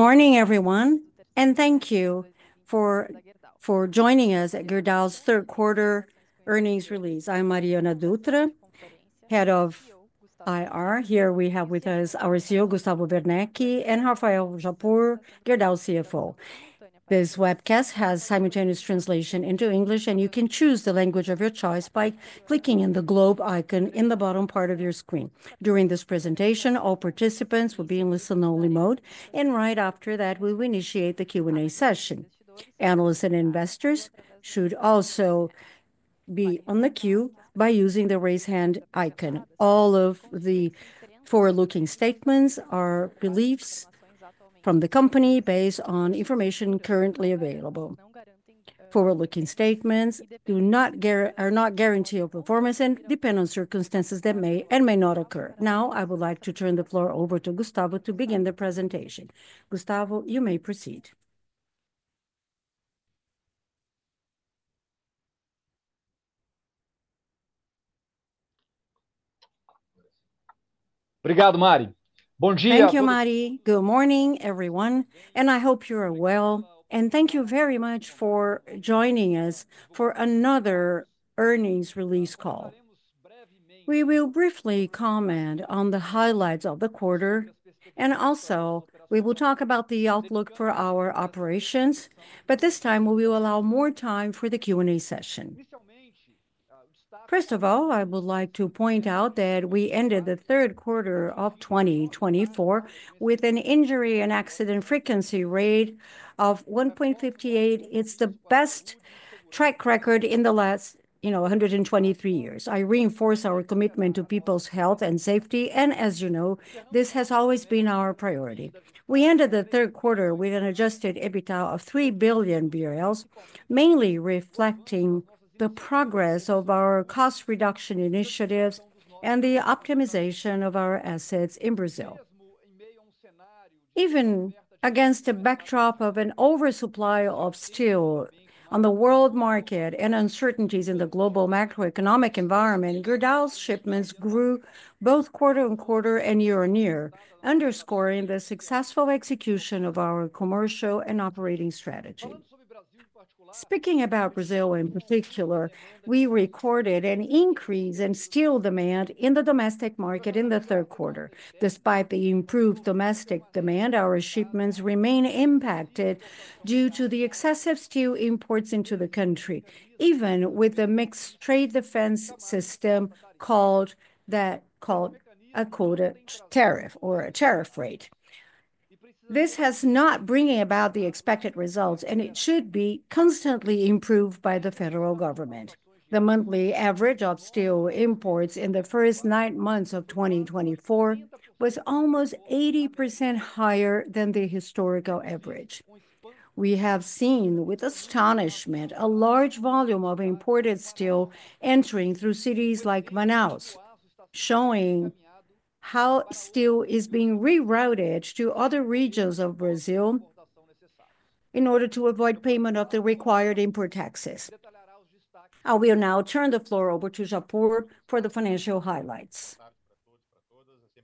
Good morning, everyone, and thank you for joining us at Gerdau's Q3 earnings release. I'm Mariana Dutra, Head of IR. Here we have with us our CEO, Gustavo Werneck, and Rafael Japur, Gerdau CFO. This webcast has simultaneous translation into English, and you can choose the language of your choice by clicking on the globe icon in the bottom part of your screen. During this presentation, all participants will be in listen-only mode, and right after that, we will initiate the Q&A session. Analysts and investors should also be on the queue by using the raise hand icon. All of the forward-looking statements are beliefs from the company based on information currently available. Forward-looking statements are not guarantees of performance and depend on circumstances that may and may not occur. Now, I would like to turn the floor over to Gustavo to begin the presentation. Gustavo, you may proceed. Thank you, Mari. Good morning, everyone, and I hope you are well, and thank you very much for joining us for another earnings release call. We will briefly comment on the highlights of the quarter, and also we will talk about the outlook for our operations, but this time we will allow more time for the Q&A session. First of all, I would like to point out that we ended the Q3 of 2024 with an injury and accident frequency rate of 1.58. It's the best track record in the last, you know, 123 years. I reinforce our commitment to people's health and safety, and as you know, this has always been our priority. We ended the Q3 with an adjusted EBITDA of 3 billion BRL, mainly reflecting the progress of our cost reduction initiatives and the optimization of our assets in Brazil. Even against the backdrop of an oversupply of steel on the world market and uncertainties in the global macroeconomic environment, Gerdau's shipments grew both quarter and quarter and year on year, underscoring the successful execution of our commercial and operating strategy. Speaking about Brazil in particular, we recorded an increase in steel demand in the domestic market in the Q3. Despite the improved domestic demand, our shipments remain impacted due to the excessive steel imports into the country, even with the mixed trade defense system that called a quota tariff or a tariff rate. This has not brought about the expected results, and it should be constantly improved by the federal government. The monthly average of steel imports in the first nine months of 2024 was almost 80% higher than the historical average. We have seen with astonishment a large volume of imported steel entering through cities like Manaus, showing how steel is being rerouted to other regions of Brazil in order to avoid payment of the required import taxes. I will now turn the floor over to Japur for the financial highlights.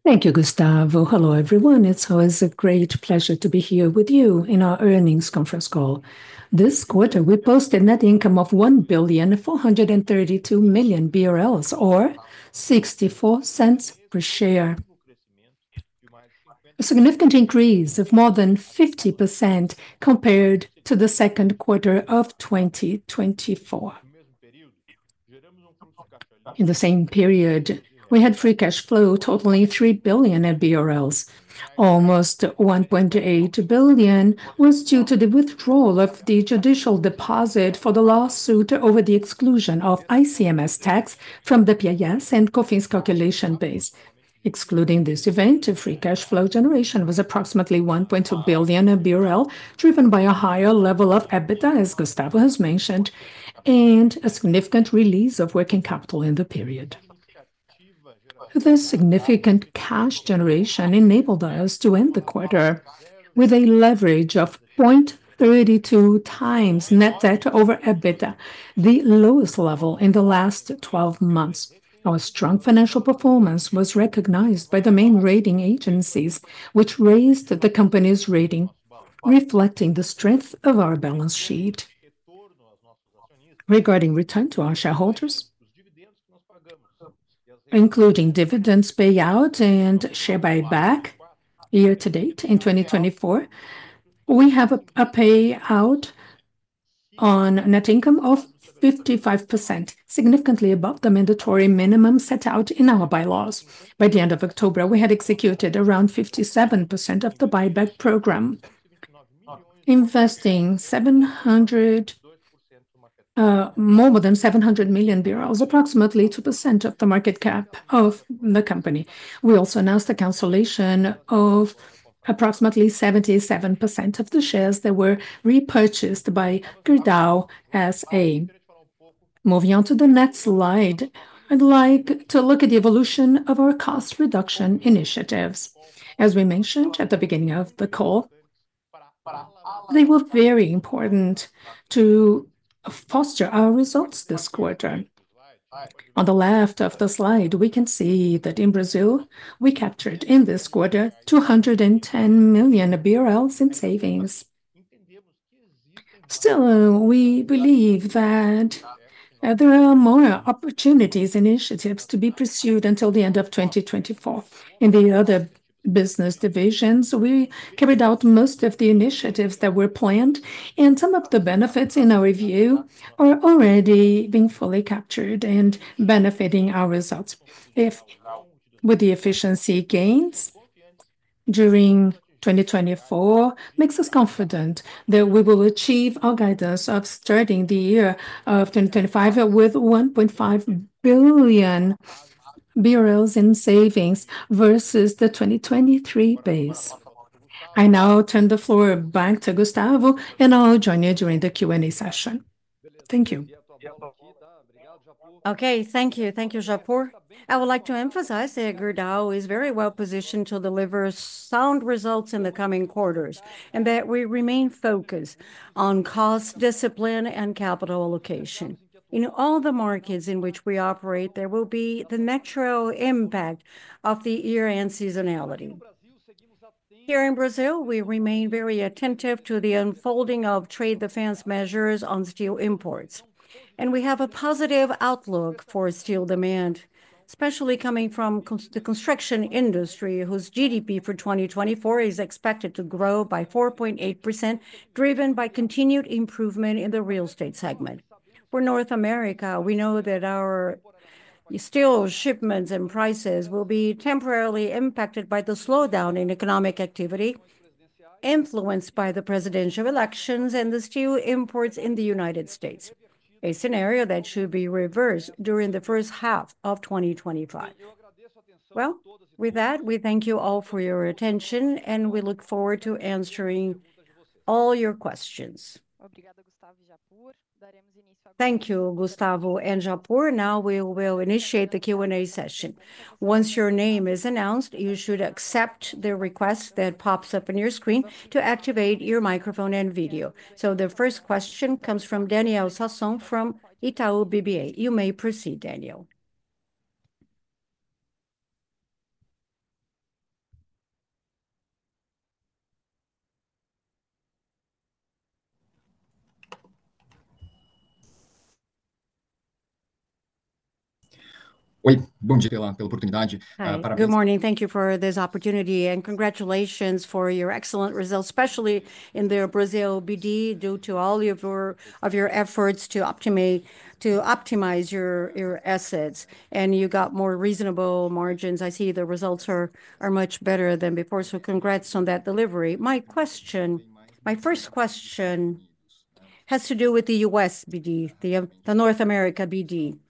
Thank you, Gustavo. Hello everyone. It's always a great pleasure to be here with you in our earnings conference call. This quarter, we posted net income of 1 billion BRL 432 million, or $0.64 per share, a significant increase of more than 50% compared to the Q2 of 2024. In the same period, we had free cash flow totaling 3 billion BRL. Almost 1.8 billion BRL was due to the withdrawal of the judicial deposit for the lawsuit over the exclusion of ICMS tax from the PIS and COFINS calculation base. Excluding this event, free cash flow generation was approximately 1.2 billion BRL, driven by a higher level of EBITDA, as Gustavo has mentioned, and a significant release of working capital in the period. This significant cash generation enabled us to end the quarter with a leverage of 0.32 times net debt over EBITDA, the lowest level in the last 12 months. Our strong financial performance was recognized by the main rating agencies, which raised the company's rating, reflecting the strength of our balance sheet. Regarding return to our shareholders, including dividends payout and share buyback year to date in 2024, we have a payout on net income of 55%, significantly above the mandatory minimum set out in our bylaws. By the end of October, we had executed around 57% of the buyback program, investing more than 700 million BRL, approximately 2% of the market cap of the company. We also announced the cancellation of approximately 77% of the shares that were repurchased by Gerdau S.A. Moving on to the next slide, I'd like to look at the evolution of our cost reduction initiatives. As we mentioned at the beginning of the call, they were very important to foster our results this quarter. On the left of the slide, we can see that in Brazil, we captured in this quarter 210 million BRL in savings. Still, we believe that there are more opportunities and initiatives to be pursued until the end of 2024. In the other business divisions, we carried out most of the initiatives that were planned, and some of the benefits in our view are already being fully captured and benefiting our results. With the efficiency gains during 2024, it makes us confident that we will achieve our guidance of starting the year of 2025 with 1.5 billion in savings versus the 2023 base. I now turn the floor back to Gustavo, and I'll join you during the Q&A session. Thank you. Okay, thank you. Thank you, Japur. I would like to emphasize that Gerdau is very well positioned to deliver sound results in the coming quarters and that we remain focused on cost discipline and capital allocation. In all the markets in which we operate, there will be the natural impact of the year-end seasonality. Here in Brazil, we remain very attentive to the unfolding of trade defense measures on steel imports, and we have a positive outlook for steel demand, especially coming from the construction industry, whose GDP for 2024 is expected to grow by 4.8%, driven by continued improvement in the real estate segment. For North America, we know that our steel shipments and prices will be temporarily impacted by the slowdown in economic activity, influenced by the presidential elections and the steel imports in the United States, a scenario that should be reversed during the H1 of 2025. With that, we thank you all for your attention, and we look forward to answering all your questions. Thank you, Gustavo and Japur. Now we will initiate the Q&A session. Once your name is announced, you should accept the request that pops up on your screen to activate your microphone and video. So the first question comes from Daniel Sasson from Itaú BBA. You may proceed, Daniel. Good morning. Thank you for this opportunity, and congratulations for your excellent results, especially in the Brazil BD, due to all of your efforts to optimize your assets, and you got more reasonable margins. I see the results are much better than before, so congrats on that delivery. My question, my first question has to do with the US BD, the North America BD.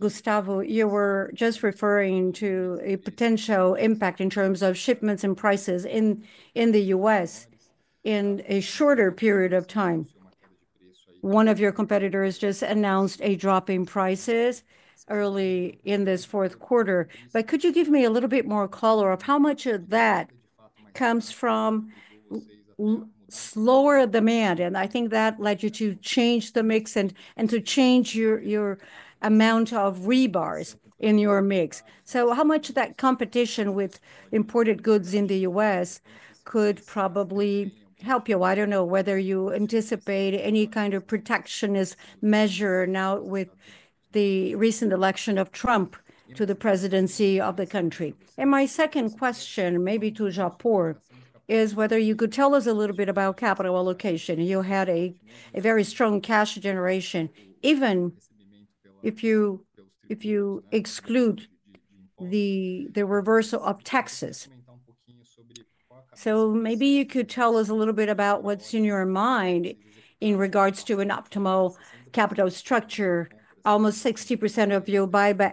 Gustavo, you were just referring to a potential impact in terms of shipments and prices in the US in a shorter period of time. One of your competitors just announced a drop in prices early in this Q4, but could you give me a little bit more color of how much of that comes from slower demand? And I think that led you to change the mix and to change your amount of rebars in your mix. So how much of that competition with imported goods in the U.S. could probably help you? I don't know whether you anticipate any kind of protectionist measure now with the recent election of Trump to the presidency of the country. And my second question, maybe to Japur, is whether you could tell us a little bit about capital allocation. You had a very strong cash generation, even if you exclude the reversal of taxes. So maybe you could tell us a little bit about what's in your mind in regards to an optimal capital structure. Almost 60% of your buyback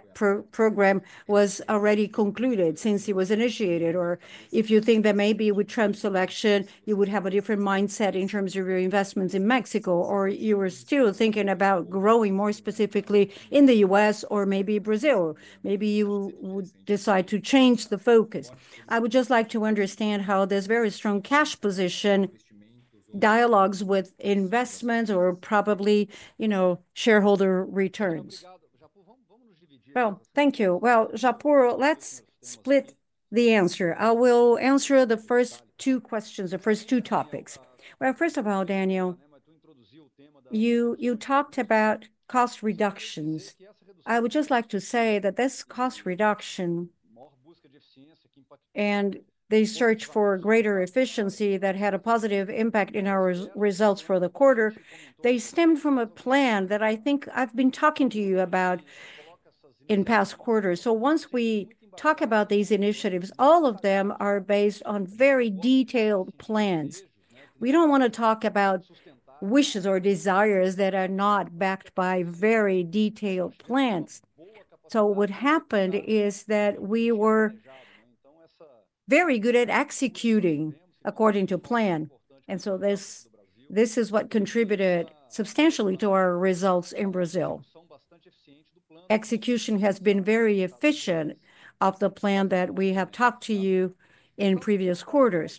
program was already concluded since it was initiated, or if you think that maybe with Trump's election, you would have a different mindset in terms of your investments in Mexico, or you were still thinking about growing more specifically in the U.S. or maybe Brazil. Maybe you would decide to change the focus. I would just like to understand how this very strong cash position dialogues with investments or probably, you know, shareholder returns. Thank you. Japur, let's split the answer. I will answer the first two questions, the first two topics. First of all, Daniel, you talked about cost reductions. I would just like to say that this cost reduction and the search for greater efficiency that had a positive impact in our results for the quarter, they stemmed from a plan that I think I've been talking to you about in past quarters. So once we talk about these initiatives, all of them are based on very detailed plans. We don't want to talk about wishes or desires that are not backed by very detailed plans. So what happened is that we were very good at executing according to plan, and so this is what contributed substantially to our results in Brazil. Execution has been very efficient of the plan that we have talked to you in previous quarters.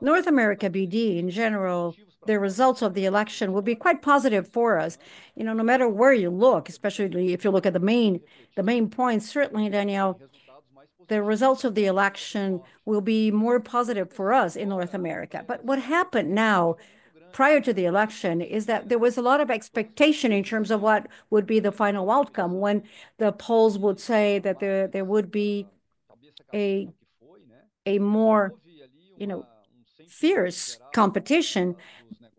North America BD, in general, the results of the election will be quite positive for us. You know, no matter where you look, especially if you look at the main points, certainly, Daniel, the results of the election will be more positive for us in North America. But what happened now prior to the election is that there was a lot of expectation in terms of what would be the final outcome when the polls would say that there would be a more, you know, fierce competition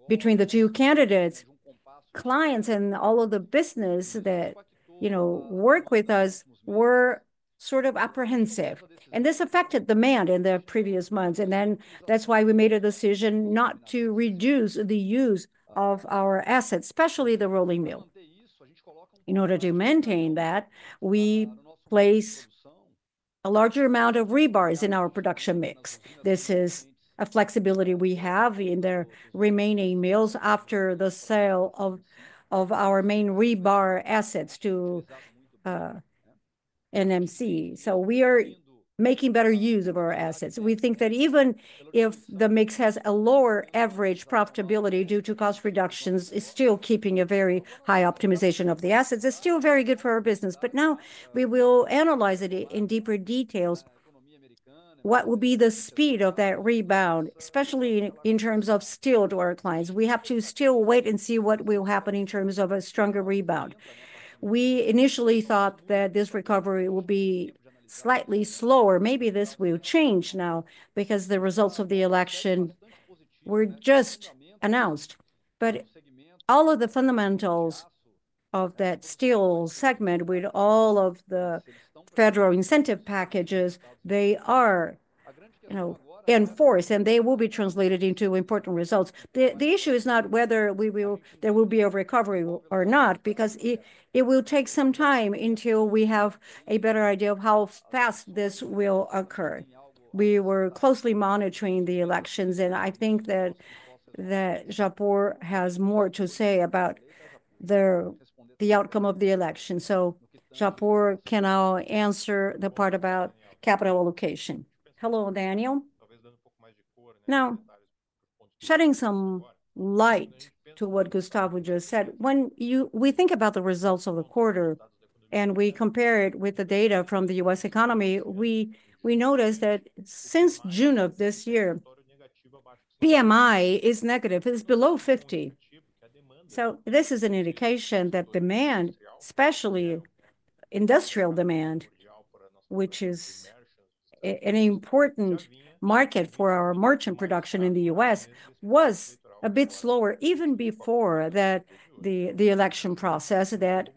between the two candidates. Clients and all of the business that, you know, work with us were sort of apprehensive, and this affected demand in the previous months. And then that's why we made a decision not to reduce the use of our assets, especially the rolling mill. In order to maintain that, we place a larger amount of rebar in our production mix. This is a flexibility we have in the remaining mills after the sale of our main rebar assets to CMC. So we are making better use of our assets. We think that even if the mix has a lower average profitability due to cost reductions, it's still keeping a very high optimization of the assets. It's still very good for our business, but now we will analyze it in deeper details. What will be the speed of that rebound, especially in terms of steel to our clients? We have to still wait and see what will happen in terms of a stronger rebound. We initially thought that this recovery will be slightly slower. Maybe this will change now because the results of the election were just announced, but all of the fundamentals of that steel segment with all of the federal incentive packages, they are, you know, enforced, and they will be translated into important results. The issue is not whether there will be a recovery or not, because it will take some time until we have a better idea of how fast this will occur. We were closely monitoring the elections, and I think that Japur has more to say about the outcome of the election. So Japur can now answer the part about capital allocation. Hello, Daniel. Now, shedding some light to what Gustavo just said, when we think about the results of the quarter and we compare it with the data from the U.S. economy, we notice that since June of this year, PMI is negative. It's below 50. So this is an indication that demand, especially industrial demand, which is an important market for our merchant production in the U.S., was a bit slower even before the election process that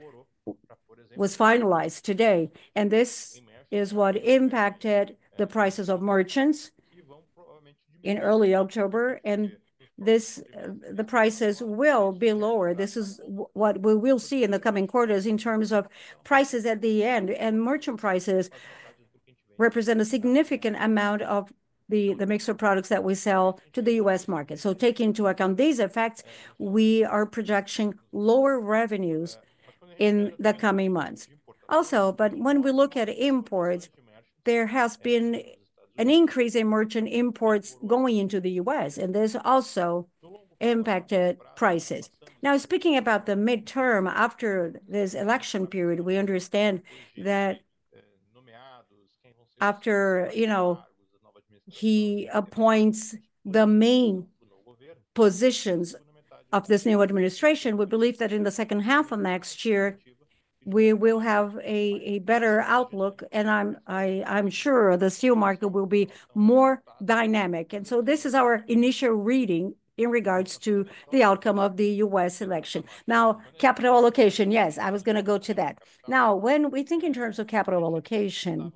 was finalized today. And this is what impacted the prices of merchants in early October, and the prices will be lower. This is what we will see in the coming quarters in terms of prices at the end, and merchant prices represent a significant amount of the mix of products that we sell to the U.S. market. So taking into account these effects, we are projecting lower revenues in the coming months. Also, but when we look at imports, there has been an increase in merchant imports going into the U.S., and this also impacted prices. Now, speaking about the market after this election period, we understand that after, you know, he appoints the main positions of this new administration, we believe that in the H2 of next year, we will have a better outlook, and I'm sure the steel market will be more dynamic, and so this is our initial reading in regards to the outcome of the U.S. election. Now, capital allocation, yes, I was going to go to that. Now, when we think in terms of capital allocation,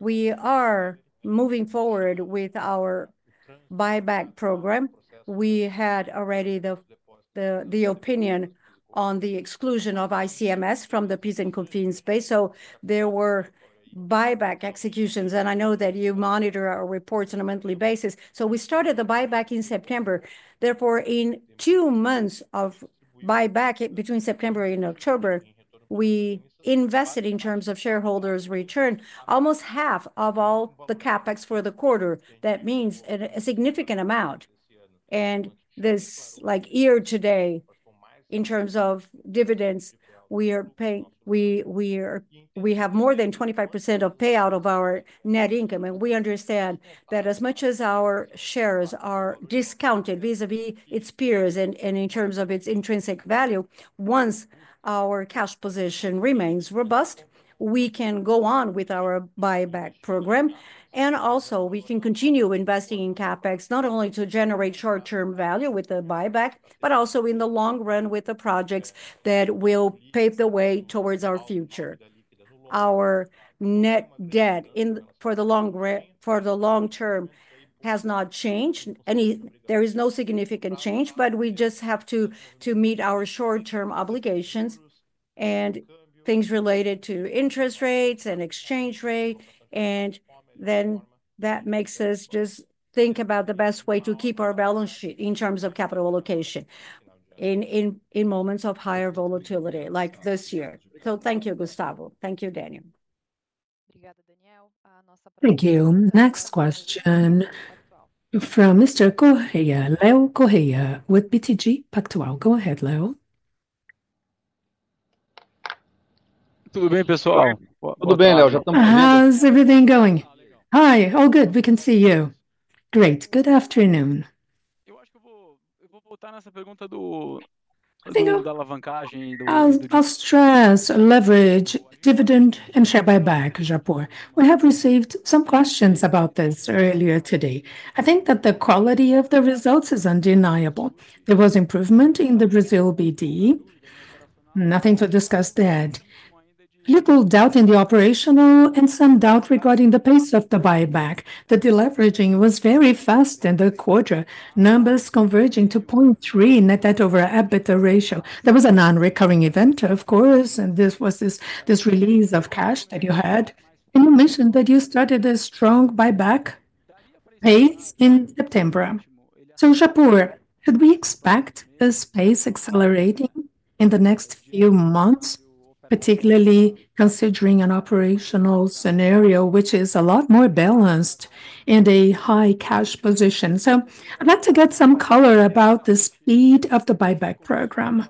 we are moving forward with our buyback program. We had already the opinion on the exclusion of ICMS from the PIS and COFINS base. So there were buyback executions, and I know that you monitor our reports on a monthly basis, so we started the buyback in September. Therefore, in two months of buyback between September and October, we invested in terms of shareholders' return almost half of all the CapEx for the quarter. That means a significant amount, and this, like earlier today, in terms of dividends, we have more than 25% of payout of our net income. And we understand that as much as our shares are discounted vis-à-vis its peers and in terms of its intrinsic value, once our cash position remains robust, we can go on with our buyback program, and also we can continue investing in CapEx, not only to generate short-term value with the buyback, but also in the long run with the projects that will pave the way towards our future. Our net debt for the long term has not changed. There is no significant change, but we just have to meet our short-term obligations and things related to interest rates and exchange rate. And then that makes us just think about the best way to keep our balance sheet in terms of capital allocation in moments of higher volatility like this year. So thank you, Gustavo. Thank you, Daniel. Thank you. Next question from Mr. Leo Correia with BTG Pactual. Go ahead, Leo.Tudo bem, pessoal? Tudo bem, Leo. How's everything going? Hi, all good. We can see you. Great. Good afternoon. Cost, stress, leverage, dividend, and share buyback, Japur. We have received some questions about this earlier today. I think that the quality of the results is undeniable. There was improvement in the Brazil BD. Nothing to discuss there. Little doubt in the operational and some doubt regarding the pace of the buyback. The deleveraging was very fast in the quarter, numbers converging to 0.3 net debt over EBITDA ratio. There was a non-recurring event, of course, and this was this release of cash that you had, and you mentioned that you started a strong buyback pace in September. So, Japur, should we expect the pace accelerating in the next few months, particularly considering an operational scenario which is a lot more balanced and a high cash position, so I'd like to get some color about the speed of the buyback program.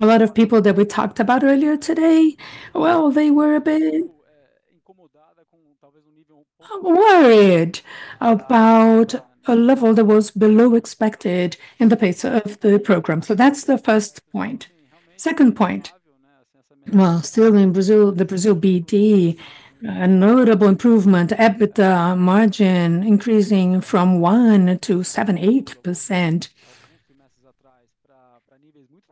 A lot of people that we talked about earlier today, well, they were a bit worried about a level that was below expected in the pace of the program. So that's the first point. Second point, well, still in Brazil, the Brazil BD, a notable improvement, EBITDA margin increasing from 1% to 7%-8%.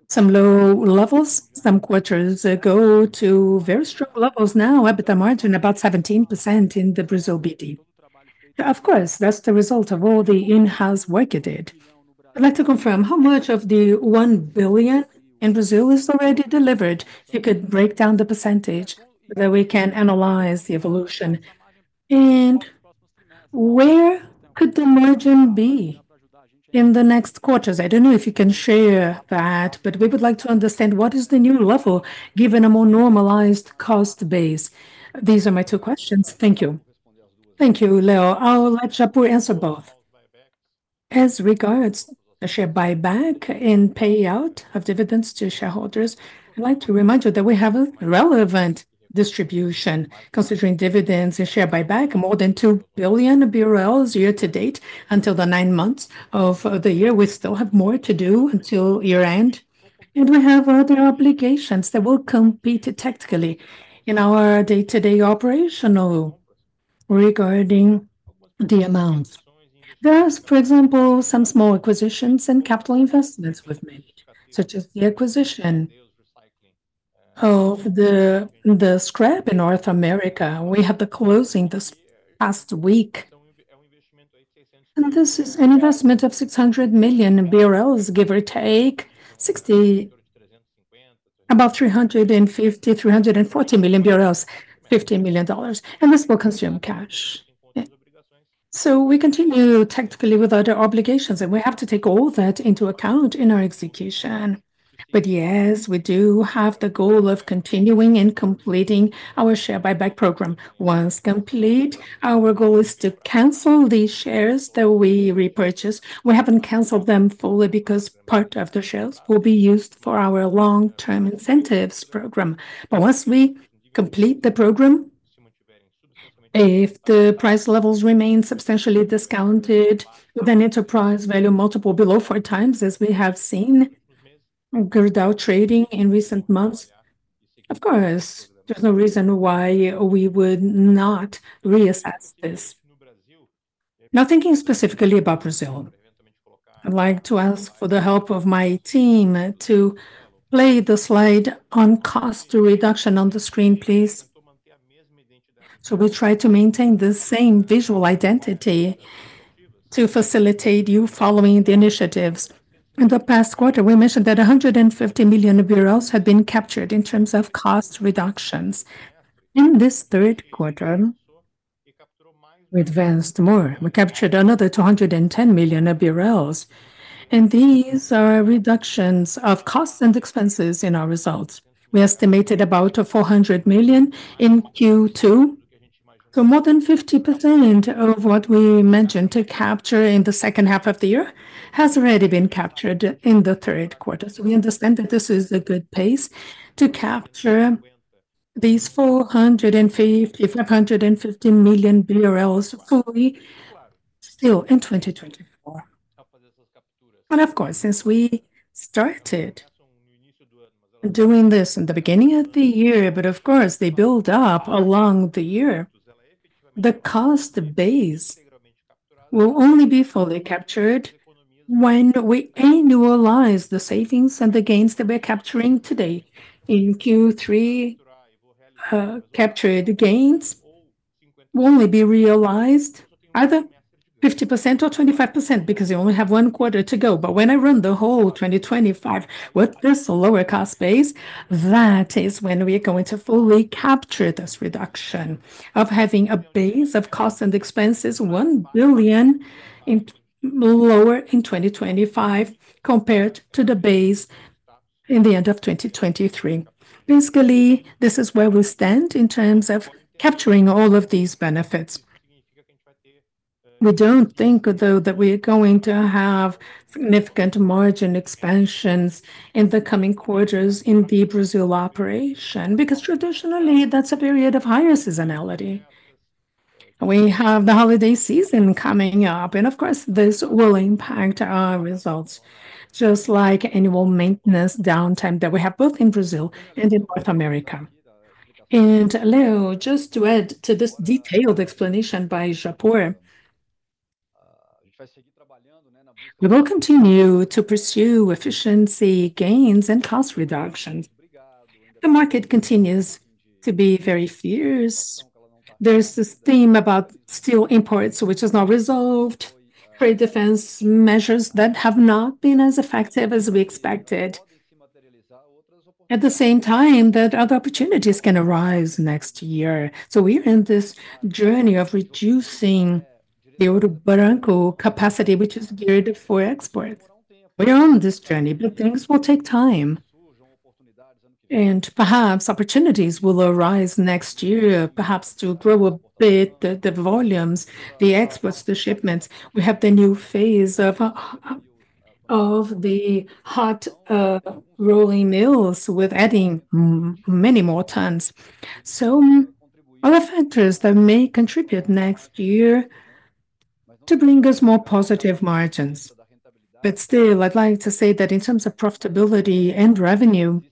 Some low levels, some quarters go to very strong levels now, EBITDA margin about 17% in the Brazil BD. Of course, that's the result of all the in-house work you did. I'd like to confirm how much of the 1 billion in Brazil is already delivered. If you could break down the percentage that we can analyze the evolution. And where could the margin be in the next quarters? I don't know if you can share that, but we would like to understand what is the new level given a more normalized cost base. These are my two questions. Thank you. Thank you, Leo. I'll let Japur answer both. As regards to share buyback and payout of dividends to shareholders, I'd like to remind you that we have a relevant distribution considering dividends and share buyback, more than 2 billion BRLs year to date until the nine months of the year. We still have more to do until year-end, and we have other obligations that will compete tactically in our day-to-day operational regarding the amounts. There are, for example, some small acquisitions and capital investments we've made, such as the acquisition of the scrap in North America. We had the closing this past week, and this is an investment of 600 million BRLs, give or take 60, about 350, 340 million BRLs, $50 million, and this will consume cash. So we continue tactically with other obligations, and we have to take all that into account in our execution. But yes, we do have the goal of continuing and completing our share buyback program. Once complete, our goal is to cancel the shares that we repurchase. We haven't canceled them fully because part of the shares will be used for our long-term incentives program. But once we complete the program, if the price levels remain substantially discounted with an enterprise value multiple below four times, as we have seen Gerdau trading in recent months, of course, there's no reason why we would not reassess this. Now, thinking specifically about Brazil, I'd like to ask for the help of my team to play the slide on cost reduction on the screen, please. So we try to maintain the same visual identity to facilitate you following the initiatives. In the past quarter, we mentioned that 150 million BRL had been captured in terms of cost reductions. In this Q3, we advanced more. We captured another 210 million BRL, and these are reductions of costs and expenses in our results. We estimated about 400 million BRL in Q2. So more than 50% of what we mentioned to capture in the H2 of the year has already been captured in the Q3. So we understand that this is a good pace to capture these 450-550 million BRL fully still in 2024. And of course, since we started doing this in the beginning of the year, but of course, they build up along the year, the cost base will only be fully captured when we annualize the savings and the gains that we're capturing today. In Q3, captured gains will only be realized either 50% or 25% because you only have one quarter to go. But when I run the whole 2025 with this lower cost base, that is when we are going to fully capture this reduction of having a base of costs and expenses 1 billion lower in 2025 compared to the base in the end of 2023. Basically, this is where we stand in terms of capturing all of these benefits. We don't think, though, that we are going to have significant margin expansions in the coming quarters in the Brazil operation because traditionally that's a period of higher seasonality. We have the holiday season coming up, and of course, this will impact our results, just like annual maintenance downtime that we have both in Brazil and in North America. And Leo, just to add to this detailed explanation by Japur, we will continue to pursue efficiency gains and cost reductions. The market continues to be very fierce. There's this theme about steel imports, which is not resolved, trade defense measures that have not been as effective as we expected. At the same time, that other opportunities can arise next year. So we are in this journey of reducing the Ouro Branco capacity, which is geared for exports. We are on this journey, but things will take time. And perhaps opportunities will arise next year, perhaps to grow a bit the volumes, the exports, the shipments. We have the new phase of the hot rolling mills with adding many more tons. So other factors that may contribute next year to bring us more positive margins. But still, I'd like to say that in terms of profitability and revenue,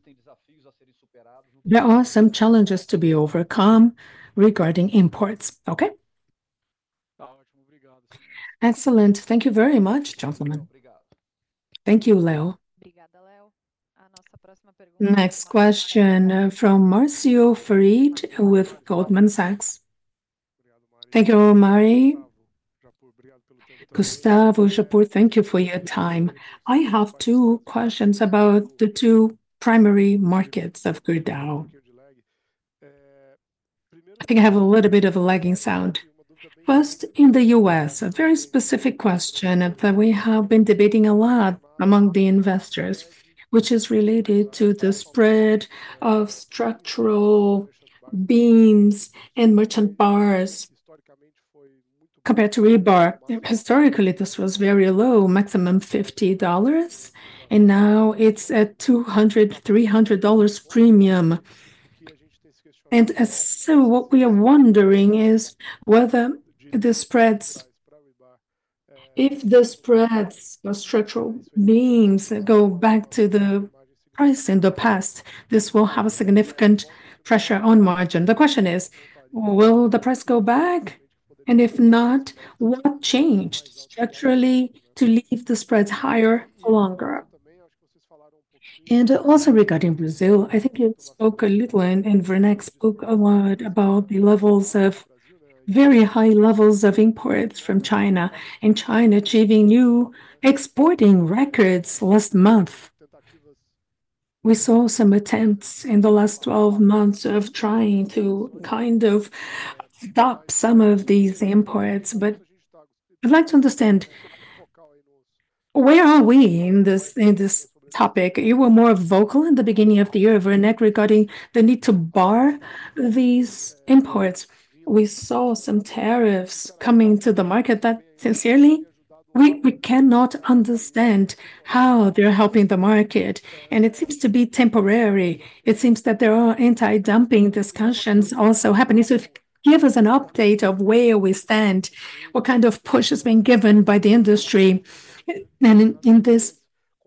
there are some challenges to be overcome regarding imports. Okay? Excellent. Thank you very much, gentlemen. Thank you, Leo. Next question from Marcio Farid with Goldman Sachs. Thank you, Mariana. Gustavo, Japur, thank you for your time. I have two questions about the two primary markets of Gerdau. I think I have a little bit of a lagging sound. First, in the U.S., a very specific question that we have been debating a lot among the investors, which is related to the spread of structural beams and merchant bars compared to rebar. Historically, this was very low, maximum $50, and now it's at $200-$300 premium. And so what we are wondering is whether the spreads, if the spreads of structural beams go back to the price in the past, this will have a significant pressure on margin. The question is, will the price go back? And if not, what changed structurally to leave the spreads higher for longer? Also regarding Brazil, I think you spoke a little, and Werneck spoke a lot about the levels of very high imports from China, and China achieving new exporting records last month. We saw some attempts in the last 12 months of trying to kind of stop some of these imports, but I'd like to understand where are we in this topic? You were more vocal in the beginning of the year, Werneck, regarding the need to bar these imports. We saw some tariffs coming to the market that, sincerely, we cannot understand how they're helping the market, and it seems to be temporary. It seems that there are anti-dumping discussions also happening. So give us an update of where we stand, what kind of push has been given by the industry, and in this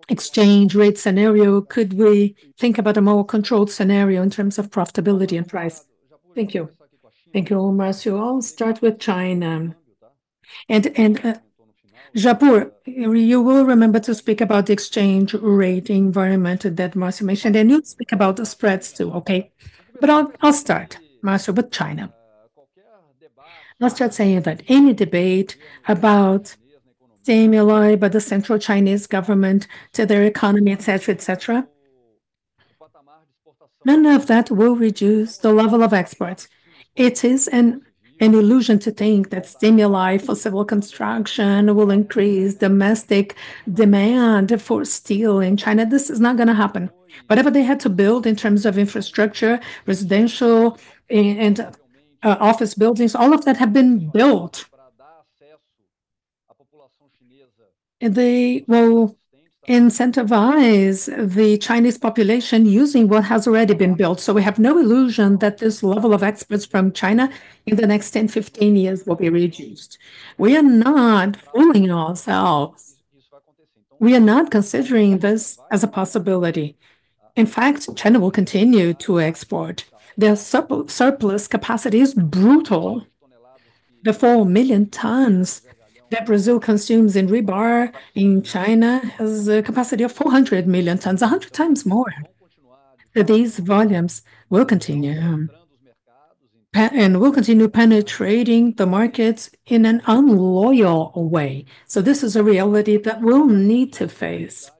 exchange rate scenario, could we think about a more controlled scenario in terms of profitability and price? Thank you. Thank you all, Marcio. I'll start with China. And Japur, you will remember to speak about the exchange rate environment that Marcio mentioned, and you'll speak about the spreads too, okay? But I'll start, Marcio, with China. I'll start saying that any debate about stimuli by the central Chinese government to their economy, etc., etc., none of that will reduce the level of exports. It is an illusion to think that stimuli for civil construction will increase domestic demand for steel in China. This is not going to happen. Whatever they had to build in terms of infrastructure, residential and office buildings, all of that has been built, and they will incentivize the Chinese population using what has already been built. So we have no illusion that this level of exports from China in the next 10-15 years will be reduced. We are not fooling ourselves. We are not considering this as a possibility. In fact, China will continue to export. Their surplus capacity is brutal. The four million tons that Brazil consumes in rebar. In China has a capacity of 400 million tons, 100 times more. So these volumes will continue and will continue penetrating the markets in an unfair way. So this is a reality that we'll need to face.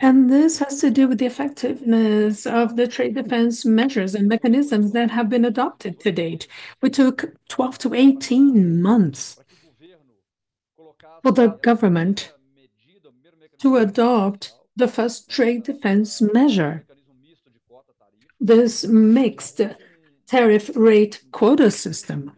And this has to do with the effectiveness of the trade defense measures and mechanisms that have been adopted to date. It took 12-18 months for the government to adopt the first trade defense measure, this mixed tariff-rate quota system.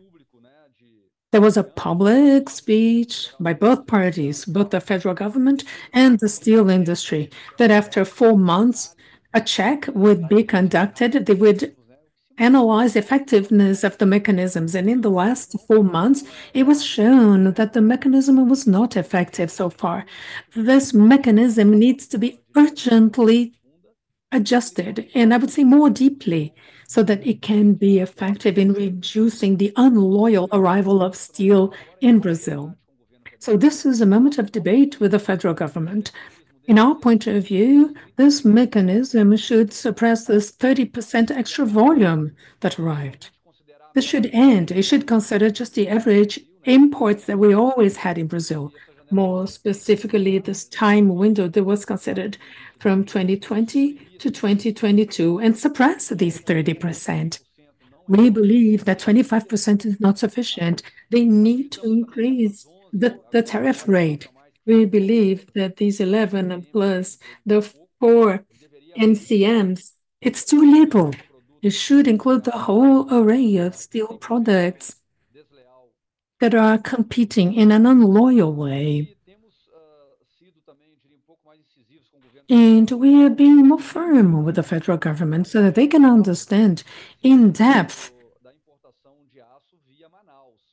There was a public speech by both parties, both the federal government and the steel industry, that after four months, a check would be conducted. They would analyze the effectiveness of the mechanisms. In the last four months, it was shown that the mechanism was not effective so far. This mechanism needs to be urgently adjusted, and I would say more deeply, so that it can be effective in reducing the unfair arrival of steel in Brazil. This is a moment of debate with the federal government. In our point of view, this mechanism should suppress this 30% extra volume that arrived. This should end. It should consider just the average imports that we always had in Brazil, more specifically this time window that was considered from 2020 to 2022, and suppress these 30%. We believe that 25% is not sufficient. They need to increase the tariff rate. We believe that these 11 plus the four NCMs, it's too little. It should include the whole array of steel products that are competing in an unfair way, we are being more firm with the federal government so that they can understand in depth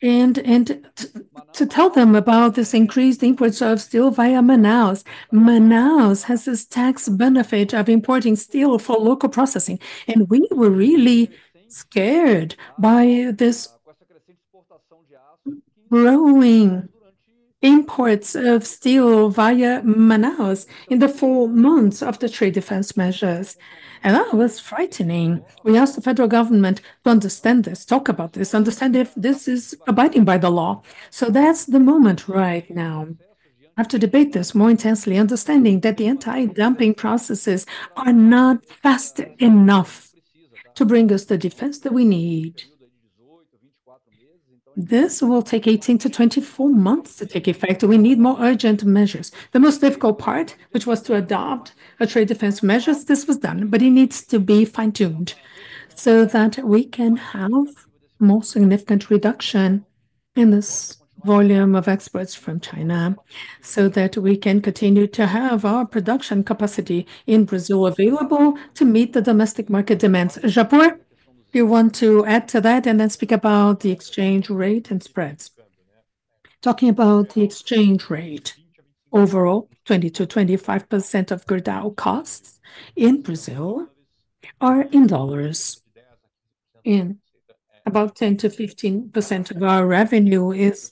and to tell them about this increased imports of steel via Manaus. Manaus has this tax benefit of importing steel for local processing, and we were really scared by this growing imports of steel via Manaus in the four months of the trade defense measures, that was frightening. We asked the federal government to understand this, talk about this, understand if this is abiding by the law. So that's the moment right now. I have to debate this more intensely, understanding that the anti-dumping processes are not fast enough to bring us the defense that we need. This will take 18-24 months to take effect. We need more urgent measures. The most difficult part, which was to adopt a trade defense measure, this was done, but it needs to be fine-tuned so that we can have more significant reduction in this volume of exports from China so that we can continue to have our production capacity in Brazil available to meet the domestic market demands. Japur, you want to add to that and then speak about the exchange rate and spreads? Talking about the exchange rate, overall, 20%-25% of Gerdau costs in Brazil are in dollars. In about 10%-15% of our revenue is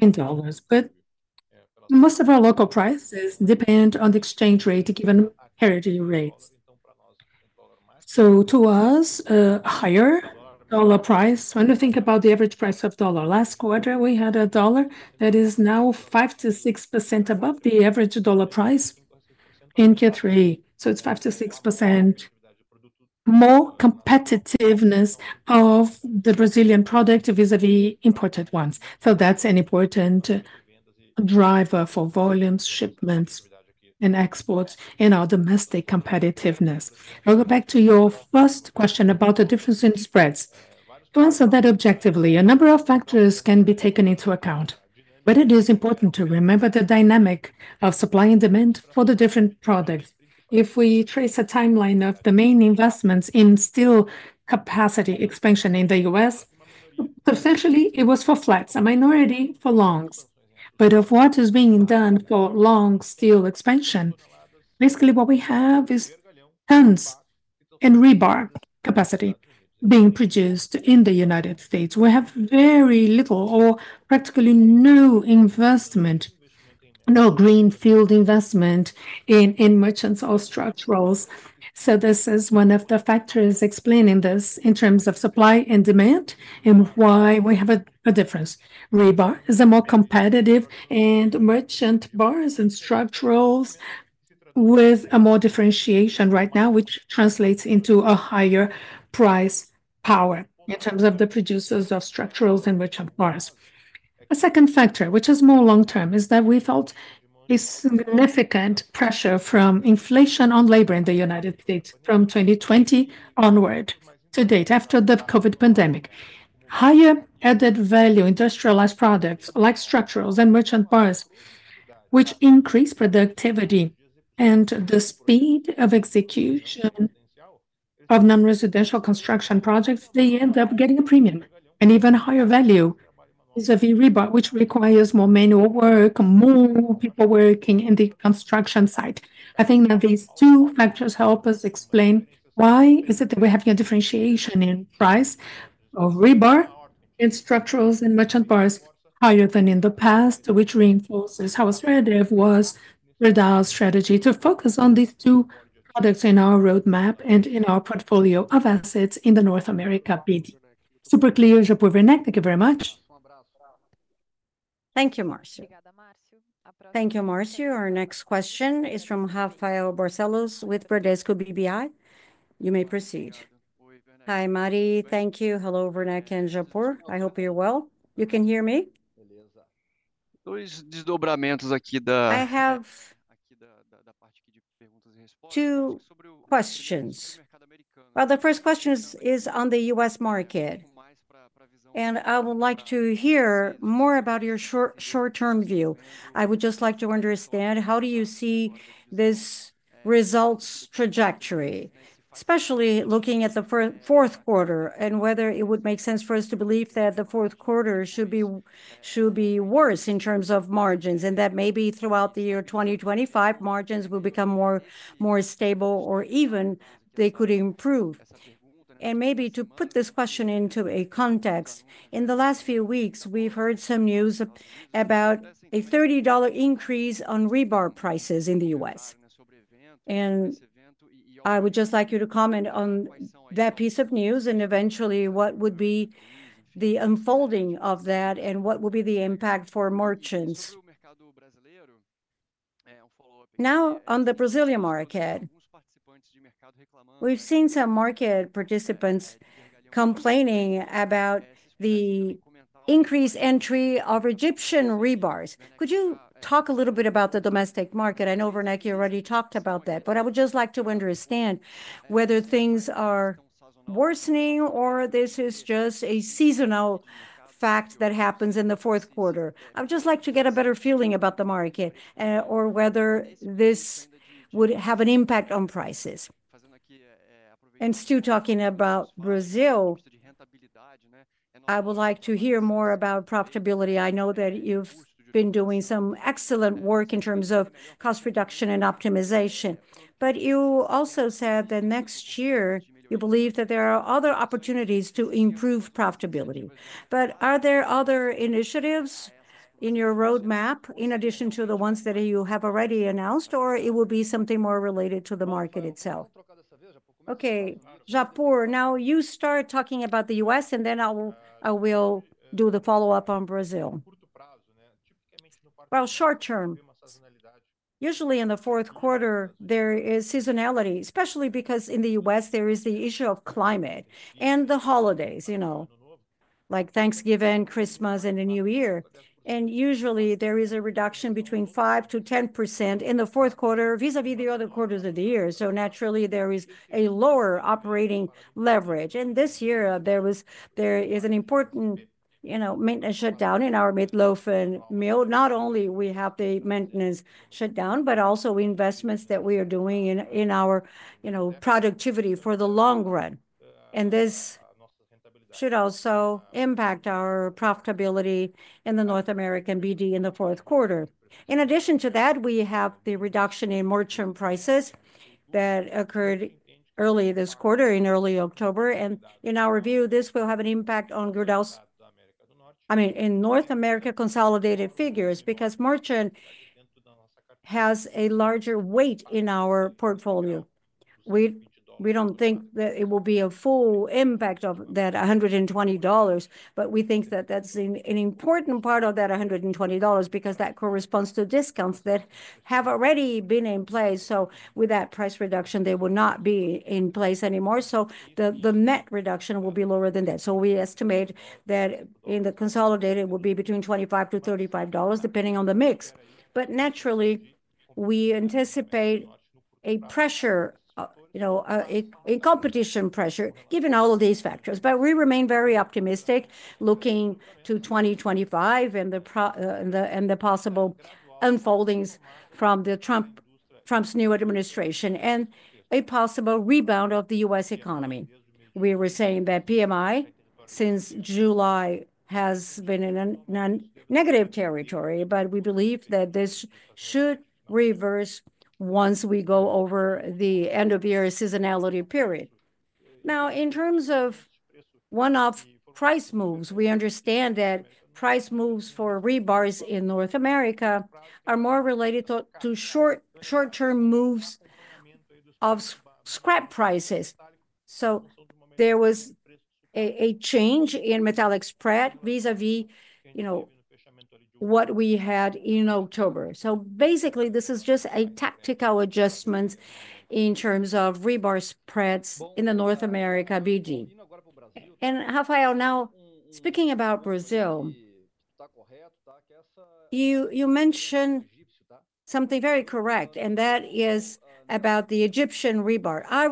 in dollars, but most of our local prices depend on the exchange rate given parity rates. So to us, a higher dollar price, when we think about the average price of dollar, last quarter we had a dollar that is now 5%-6% above the average dollar price in Q3. So it's 5%-6% more competitiveness of the Brazilian product vis-à-vis imported ones. So that's an important driver for volumes, shipments, and exports in our domestic competitiveness. I'll go back to your first question about the difference in spreads. To answer that objectively, a number of factors can be taken into account, but it is important to remember the dynamic of supply and demand for the different products. If we trace a timeline of the main investments in steel capacity expansion in the U.S., essentially it was for flats, a minority for longs. But of what is being done for long steel expansion, basically what we have is tons and rebar capacity being produced in the United States. We have very little or practically no investment, no greenfield investment in merchants or structurals. So this is one of the factors explaining this in terms of supply and demand and why we have a difference. Rebar is a more competitive and merchant bars and structurals with a more differentiation right now, which translates into a higher price power in terms of the producers of structurals and merchant bars. A second factor, which is more long-term, is that we felt a significant pressure from inflation on labor in the United States from 2020 onward to date after the COVID pandemic. Higher added value industrialized products like structurals and merchant bars, which increase productivity and the speed of execution of non-residential construction projects, they end up getting a premium and even higher value vis-à-vis rebar, which requires more manual work, more people working in the construction site. I think that these two factors help us explain why is it that we're having a differentiation in price of rebar and structurals and merchant bars higher than in the past, which reinforces how assertive was Gerdau's strategy to focus on these two products in our roadmap and in our portfolio of assets in the North America BD. Super clear, Japur, Werneck, thank you very much. Thank you, Marcio. Thank you, Marcio. Our next question is from Rafael Barcellos with Bradesco BBI. You may proceed. Hi, Mariana. Thank you. Hello, Werneck and Japur. I hope you're well. You can hear me? I have a question. The first question is on the U.S. market, and I would like to hear more about your short-term view. I would just like to understand how do you see this result's trajectory, especially looking at the Q4 and whether it would make sense for us to believe that the Q4 should be worse in terms of margins and that maybe throughout the year 2025, margins will become more stable or even they could improve. And maybe to put this question into a context, in the last few weeks, we've heard some news about a $30 increase on rebar prices in the U.S. And I would just like you to comment on that piece of news and eventually what would be the unfolding of that and what would be the impact for merchants. Now, on the Brazilian market, we've seen some market participants complaining about the increased entry of Egyptian rebar. Could you talk a little bit about the domestic market? I know Werneck, you already talked about that, but I would just like to understand whether things are worsening or this is just a seasonal fact that happens in the Q4. I would just like to get a better feeling about the market or whether this would have an impact on prices. And still talking about Brazil, I would like to hear more about profitability. I know that you've been doing some excellent work in terms of cost reduction and optimization, but you also said that next year you believe that there are other opportunities to improve profitability. Are there other initiatives in your roadmap in addition to the ones that you have already announced, or it will be something more related to the market itself? Okay, Japur, now you start talking about the U.S., and then I will do the follow-up on Brazil. Short-term, usually in the Q4, there is seasonality, especially because in the U.S. there is the issue of climate and the holidays, you know, like Thanksgiving, Christmas, and the New Year. Usually there is a reduction between 5%-10% in the Q4 vis-à-vis the other quarters of the year. Naturally, there is a lower operating leverage. This year, there is an important, you know, maintenance shutdown in our Midlothian. Not only do we have the maintenance shutdown, but also investments that we are doing in our, you know, productivity for the long run. This should also impact our profitability in the North America BD in the Q4. In addition to that, we have the reduction in merchant prices that occurred early this quarter, in early October. In our view, this will have an impact on Gerdau's, I mean, in North America consolidated figures because merchant has a larger weight in our portfolio. We don't think that it will be a full impact of that $120, but we think that that's an important part of that $120 because that corresponds to discounts that have already been in place. With that price reduction, they will not be in place anymore. The net reduction will be lower than that. We estimate that in the consolidated, it will be between $25-$35 depending on the mix. But naturally, we anticipate a pressure, you know, a competition pressure given all of these factors. But we remain very optimistic looking to 2025 and the possible unfoldings from Trump's new administration and a possible rebound of the US economy. We were saying that PMI since July has been in a negative territory, but we believe that this should reverse once we go over the end-of-year seasonality period. Now, in terms of one-off price moves, we understand that price moves for rebars in North America are more related to short-term moves of scrap prices. So there was a change in metallic spread vis-à-vis, you know, what we had in October. So basically, this is just a tactical adjustment in terms of rebar spreads in the North America BD. And Rafael, now speaking about Brazil, you mentioned something very correct, and that is about the Egyptian rebar. I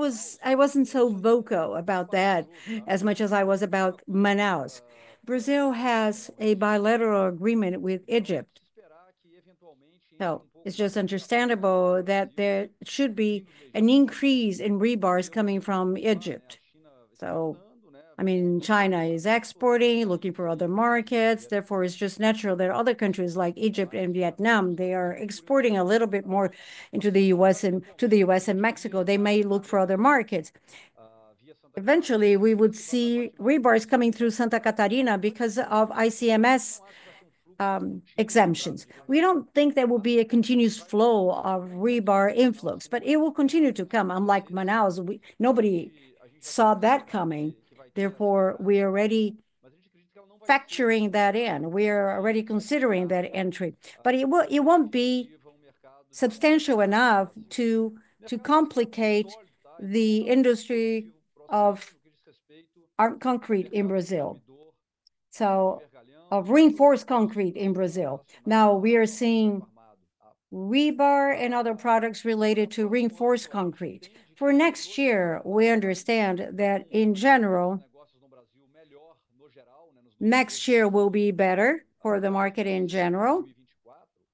wasn't so vocal about that as much as I was about Manaus. Brazil has a bilateral agreement with Egypt. So it's just understandable that there should be an increase in rebars coming from Egypt. So, I mean, China is exporting, looking for other markets. Therefore, it's just natural that other countries like Egypt and Vietnam, they are exporting a little bit more into the U.S. and to the U.S. and Mexico. They may look for other markets. Eventually, we would see rebars coming through Santa Catarina because of ICMS exemptions. We don't think there will be a continuous flow of rebar influx, but it will continue to come, unlike Manaus. Nobody saw that coming. Therefore, we are already factoring that in. We are already considering that entry, but it won't be substantial enough to complicate the industry of concrete in Brazil, so of reinforced concrete in Brazil. Now, we are seeing rebar and other products related to reinforced concrete. For next year, we understand that in general, next year will be better for the market in general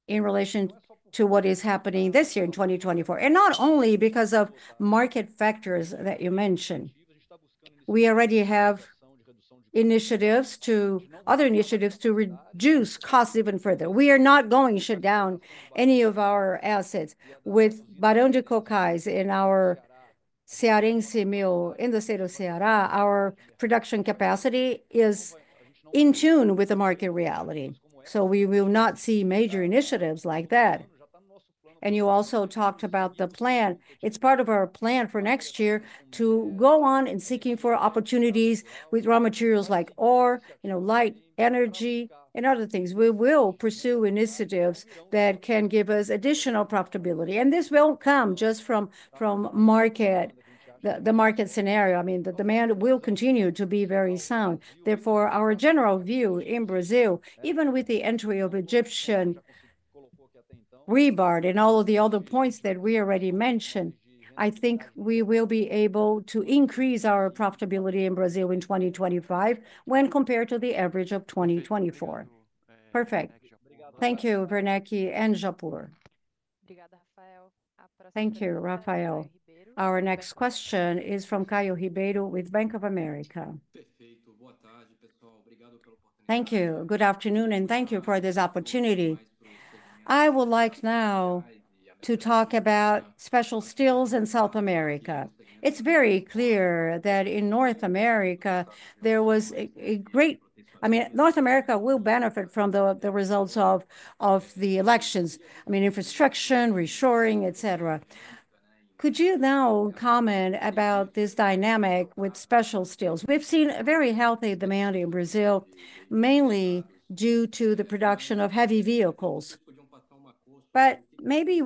in relation to what is happening this year in 2024, and not only because of market factors that you mentioned. We already have initiatives to reduce costs even further. We are not going to shut down any of our assets with Barão de Cocais and our Cearense mill in the state of Ceará. Our production capacity is in tune with the market reality, so we will not see major initiatives like that, and you also talked about the plan. It's part of our plan for next year to go on and seek for opportunities with raw materials like ore, you know, light energy and other things. We will pursue initiatives that can give us additional profitability. This will come just from the market scenario. I mean, the demand will continue to be very sound. Therefore, our general view in Brazil, even with the entry of Egyptian rebar and all of the other points that we already mentioned, I think we will be able to increase our profitability in Brazil in 2025 when compared to the average of 2024. Perfect. Thank you, Werneck and Japur. Thank you, Rafael. Our next question is from Caio Ribeiro with Bank of America. Thank you. Good afternoon, and thank you for this opportunity. I would like now to talk about special steels in South America. It's very clear that in North America, there was a great, I mean, North America will benefit from the results of the elections. I mean, infrastructure, reshoring, etc. Could you now comment about this dynamic with special steels? We've seen a very healthy demand in Brazil, mainly due to the production of heavy vehicles. But maybe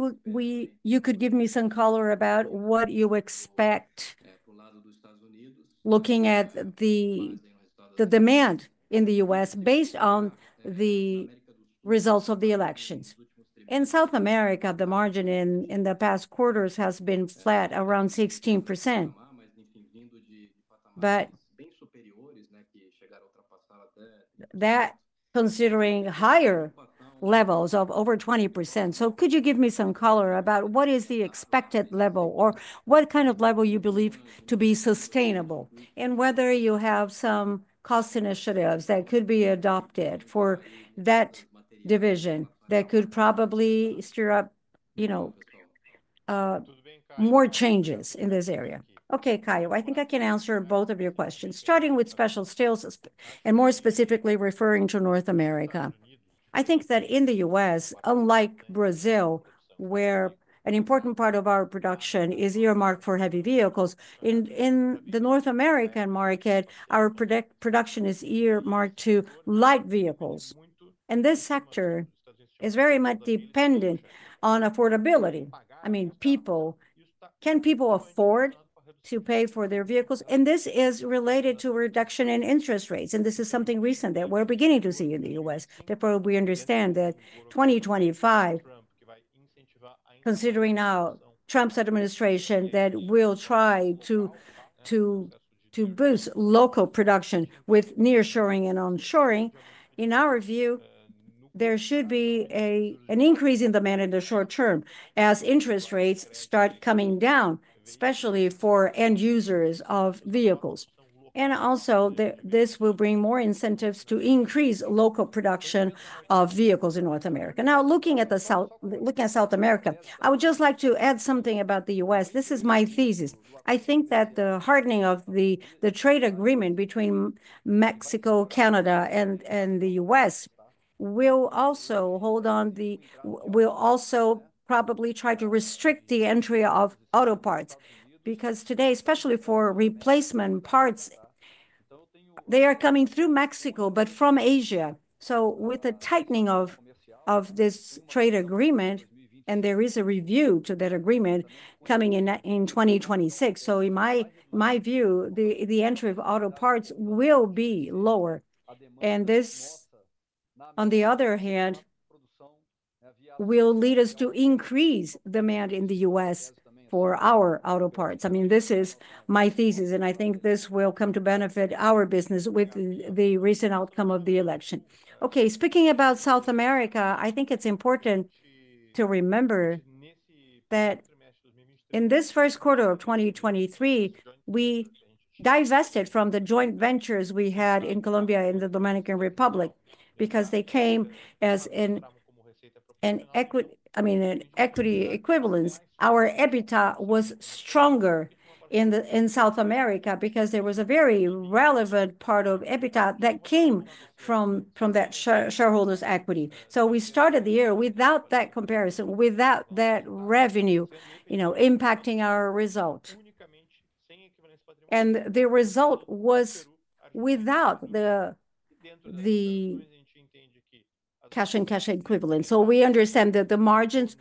you could give me some color about what you expect looking at the demand in the US based on the results of the elections. In South America, the margin in the past quarters has been flat, around 16%. But that considering higher levels of over 20%. So could you give me some color about what is the expected level or what kind of level you believe to be sustainable and whether you have some cost initiatives that could be adopted for that division that could probably stir up, you know, more changes in this area? Okay, Caio, I think I can answer both of your questions, starting with special steels and more specifically referring to North America. I think that in the U.S., unlike Brazil, where an important part of our production is earmarked for heavy vehicles, in the North American market, our production is earmarked to light vehicles. And this sector is very much dependent on affordability. I mean, can people afford to pay for their vehicles? And this is related to a reduction in interest rates. And this is something recent that we're beginning to see in the U.S. Therefore, we understand that 2025, considering now Trump's administration that will try to boost local production with near-shoring and on-shoring, in our view, there should be an increase in demand in the short term as interest rates start coming down, especially for end users of vehicles. And also, this will bring more incentives to increase local production of vehicles in North America. Now, looking at South America, I would just like to add something about the U.S. This is my thesis. I think that the hardening of the trade agreement between Mexico, Canada, and the U.S. will also probably try to restrict the entry of auto parts because today, especially for replacement parts, they are coming through Mexico, but from Asia. So with the tightening of this trade agreement, and there is a review to that agreement coming in 2026. So in my view, the entry of auto parts will be lower. And this, on the other hand, will lead us to increase demand in the U.S. for our auto parts. I mean, this is my thesis, and I think this will come to benefit our business with the recent outcome of the election. Okay, speaking about South America, I think it's important to remember that in this Q1 of 2023, we divested from the joint ventures we had in Colombia and the Dominican Republic because they came as an equity equivalence. Our EBITDA was stronger in South America because there was a very relevant part of EBITDA that came from that shareholders' equity. So we started the year without that comparison, without that revenue, you know, impacting our result. And the result was without the cash and cash equivalent. So we understand that the margins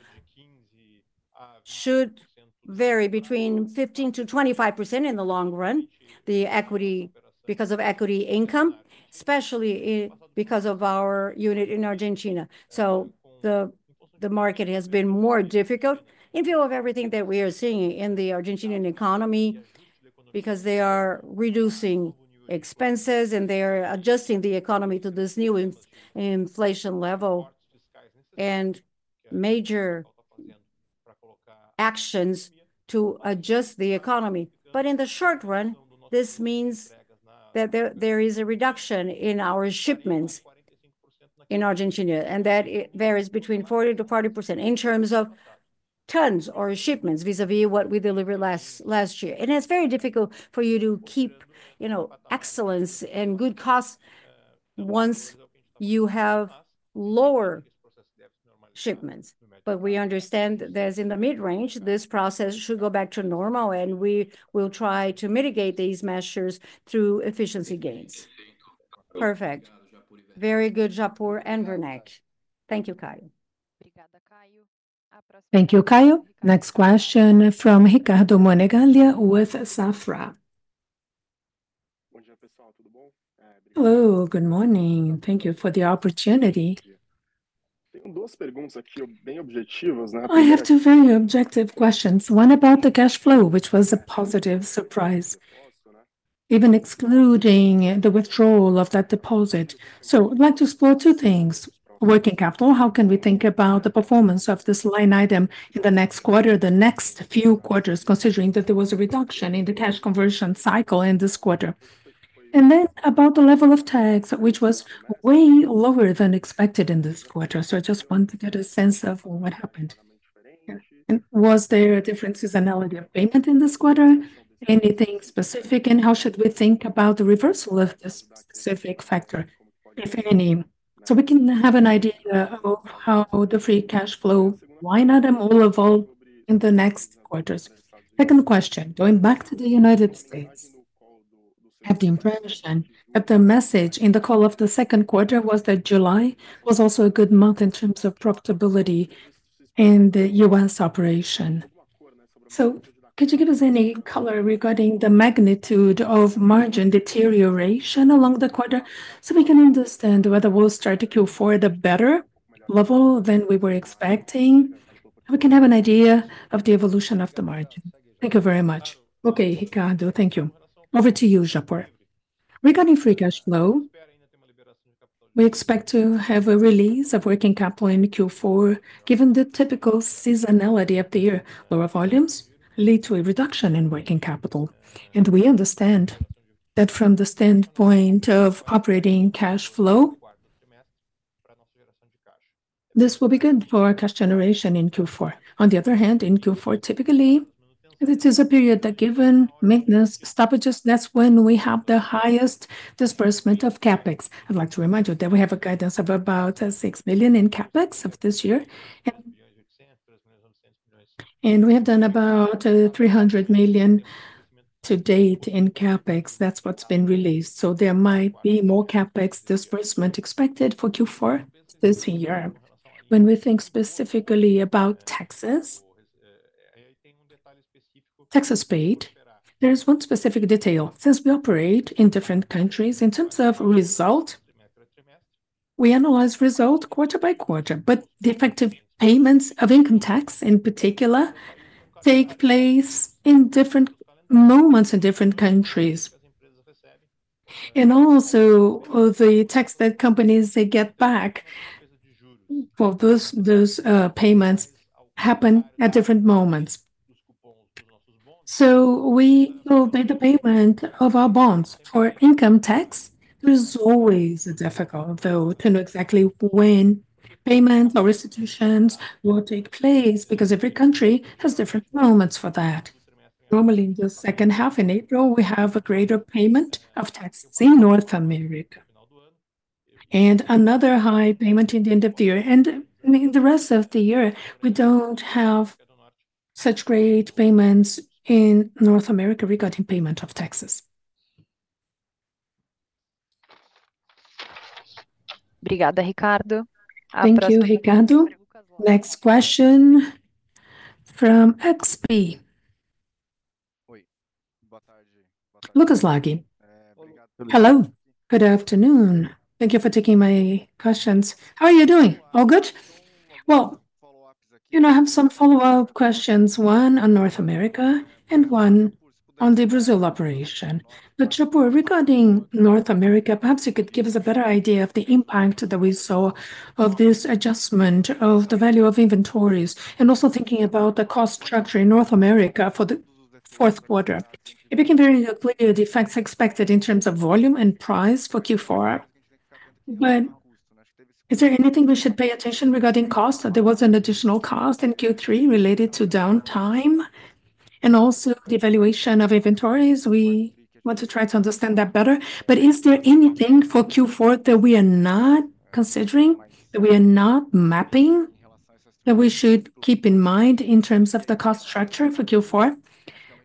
should vary between 15% to 25% in the long run, the equity because of equity income, especially because of our unit in Argentina. So the market has been more difficult in view of everything that we are seeing in the Argentine economy because they are reducing expenses and they are adjusting the economy to this new inflation level and major actions to adjust the economy. But in the short run, this means that there is a reduction in our shipments in Argentina and that it varies between 40% to 40% in terms of tons or shipments vis-à-vis what we delivered last year. And it's very difficult for you to keep, you know, excellence and good costs once you have lower shipments. But we understand that in the mid-range, this process should go back to normal, and we will try to mitigate these measures through efficiency gains. Perfect. Very good, Japur and Werneck. Thank you, Caio. Thank you, Caio. Next question from Ricardo Monegaglia with Safra. Hello, good morning. Thank you for the opportunity. I have two very objective questions. One about the cash flow, which was a positive surprise, even excluding the withdrawal of that deposit. So I'd like to explore two things. Working capital, how can we think about the performance of this line item in the next quarter, the next few quarters, considering that there was a reduction in the cash conversion cycle in this quarter? And then about the level of tax, which was way lower than expected in this quarter. So I just want to get a sense of what happened. Was there a different seasonality of payment in this quarter? Anything specific? And how should we think about the reversal of this specific factor, if any? So we can have an idea of how the free cash flow will not move at all in the next quarters? Second question, going back to the United States, I have the impression that the message in the call of the Q2 was that July was also a good month in terms of profitability in the U.S. operation. So could you give us any color regarding the magnitude of margin deterioration along the quarter so we can understand whether we'll start to Q4 at a better level than we were expecting? We can have an idea of the evolution of the margin. Thank you very much. Okay, Ricardo, thank you. Over to you, Japur. Regarding free cash flow, we expect to have a release of working capital in Q4 given the typical seasonality of the year. Lower volumes lead to a reduction in working capital, and we understand that from the standpoint of operating cash flow, this will be good for our cash generation in Q4. On the other hand, in Q4, typically, it is a period that given maintenance stoppages, that's when we have the highest disbursement of CapEx. I'd like to remind you that we have a guidance of about 6 million in CapEx of this year. We have done about 300 million to date in CapEx. That's what's been released. So there might be more CapEx disbursement expected for Q4 this year. When we think specifically about taxes paid, there is one specific detail. Since we operate in different countries, in terms of results, we analyze results quarter by quarter, but the effective payments of income tax in particular take place in different moments in different countries. And also, the tax that companies get back for those payments happen at different moments. So we will pay the payment of our bonds for income tax. It is always difficult, though, to know exactly when payments or restitutions will take place because every country has different moments for that. Normally, in the H2 in April, we have a greater payment of taxes in North America and another high payment in the end of the year. And in the rest of the year, we don't have such great payments in North America regarding payment of taxes. Thank you, Ricardo. Next question from XP. Lucas Laghi. Hello. Good afternoon. Thank you for taking my questions. How are you doing? All good? Well, you know, I have some follow-up questions. One on North America and one on the Brazil operation. But Japur, regarding North America, perhaps you could give us a better idea of the impact that we saw of this adjustment of the value of inventories and also thinking about the cost structure in North America for the Q4. It became very clear the effects expected in terms of volume and price for Q4. But is there anything we should pay attention to regarding cost? There was an additional cost in Q3 related to downtime and also the valuation of inventories. We want to try to understand that better. But is there anything for Q4 that we are not considering, that we are not mapping, that we should keep in mind in terms of the cost structure for Q4?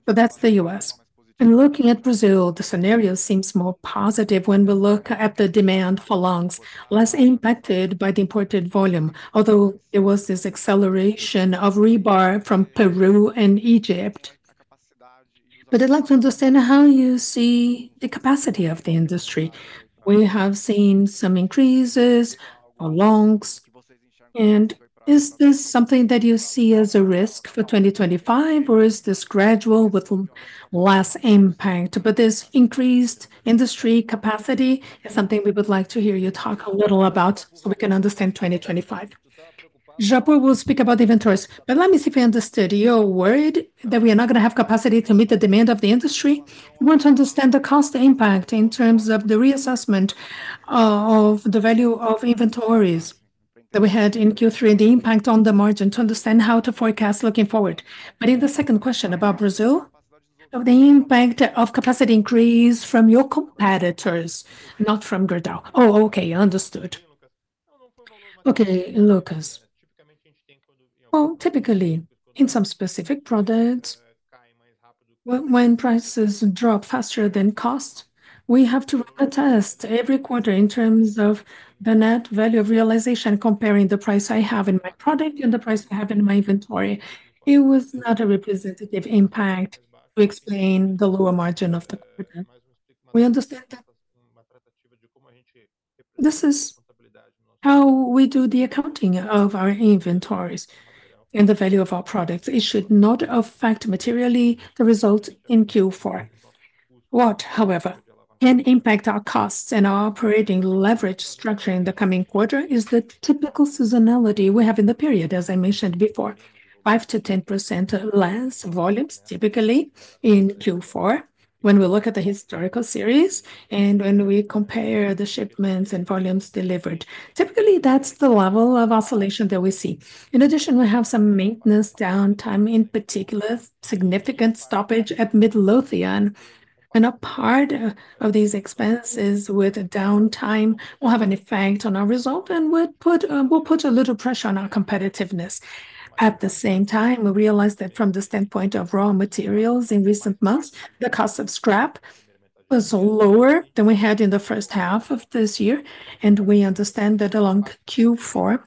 So that's the US. And looking at Brazil, the scenario seems more positive when we look at the demand for longs, less impacted by the imported volume, although there was this acceleration of rebar from Peru and Egypt. But I'd like to understand how you see the capacity of the industry. We have seen some increases or longs. And is this something that you see as a risk for 2025, or is this gradual with less impact? But this increased industry capacity is something we would like to hear you talk a little about so we can understand 2025. Japur will speak about inventories, but let me see if I understood your word that we are not going to have capacity to meet the demand of the industry. I want to understand the cost impact in terms of the reassessment of the value of inventories that we had in Q3 and the impact on the margin to understand how to forecast looking forward. But in the second question about Brazil, of the impact of capacity increase from your competitors, not from Gerdau. Oh, okay, understood. Okay, Lucas. Well, typically, in some specific products, when prices drop faster than cost, we have to run a test every quarter in terms of the net value of realization comparing the price I have in my product and the price I have in my inventory. It was not a representative impact to explain the lower margin of the quarter. We understand that this is how we do the accounting of our inventories and the value of our products. It should not affect materially the result in Q4. What, however, can impact our costs and our operating leverage structure in the coming quarter is the typical seasonality we have in the period, as I mentioned before, 5%-10% less volumes typically in Q4 when we look at the historical series and when we compare the shipments and volumes delivered. Typically, that's the level of oscillation that we see. In addition, we have some maintenance downtime in particular, significant stoppage at Midlothian. And a part of these expenses with downtime will have an effect on our result and will put a little pressure on our competitiveness. At the same time, we realize that from the standpoint of raw materials in recent months, the cost of scrap was lower than we had in the H1 of this year. We understand that along Q4,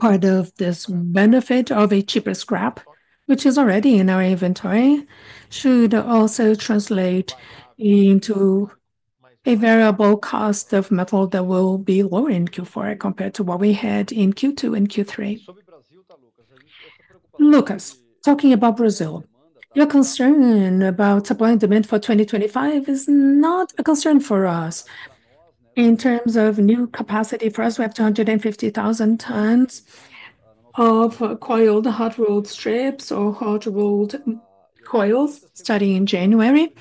part of this benefit of a cheaper scrap, which is already in our inventory, should also translate into a variable cost of metal that will be lower in Q4 compared to what we had in Q2 and Q3. Lucas, talking about Brazil, your concern about supply and demand for 2025 is not a concern for us. In terms of new capacity, for us, we have 250,000 tons of coiled hot rolled strips or hot rolled coils starting in January.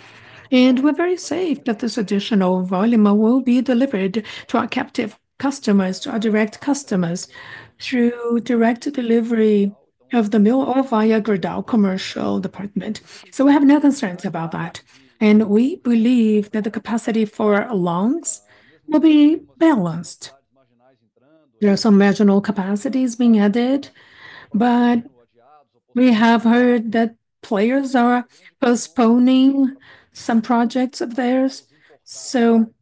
We're very sure that this additional volume will be delivered to our captive customers, to our direct customers, through direct delivery of the mill or via Gerdau commercial department. We have no concerns about that. We believe that the capacity for longs will be balanced. There are some marginal capacities being added, but we have heard that players are postponing some projects of theirs. So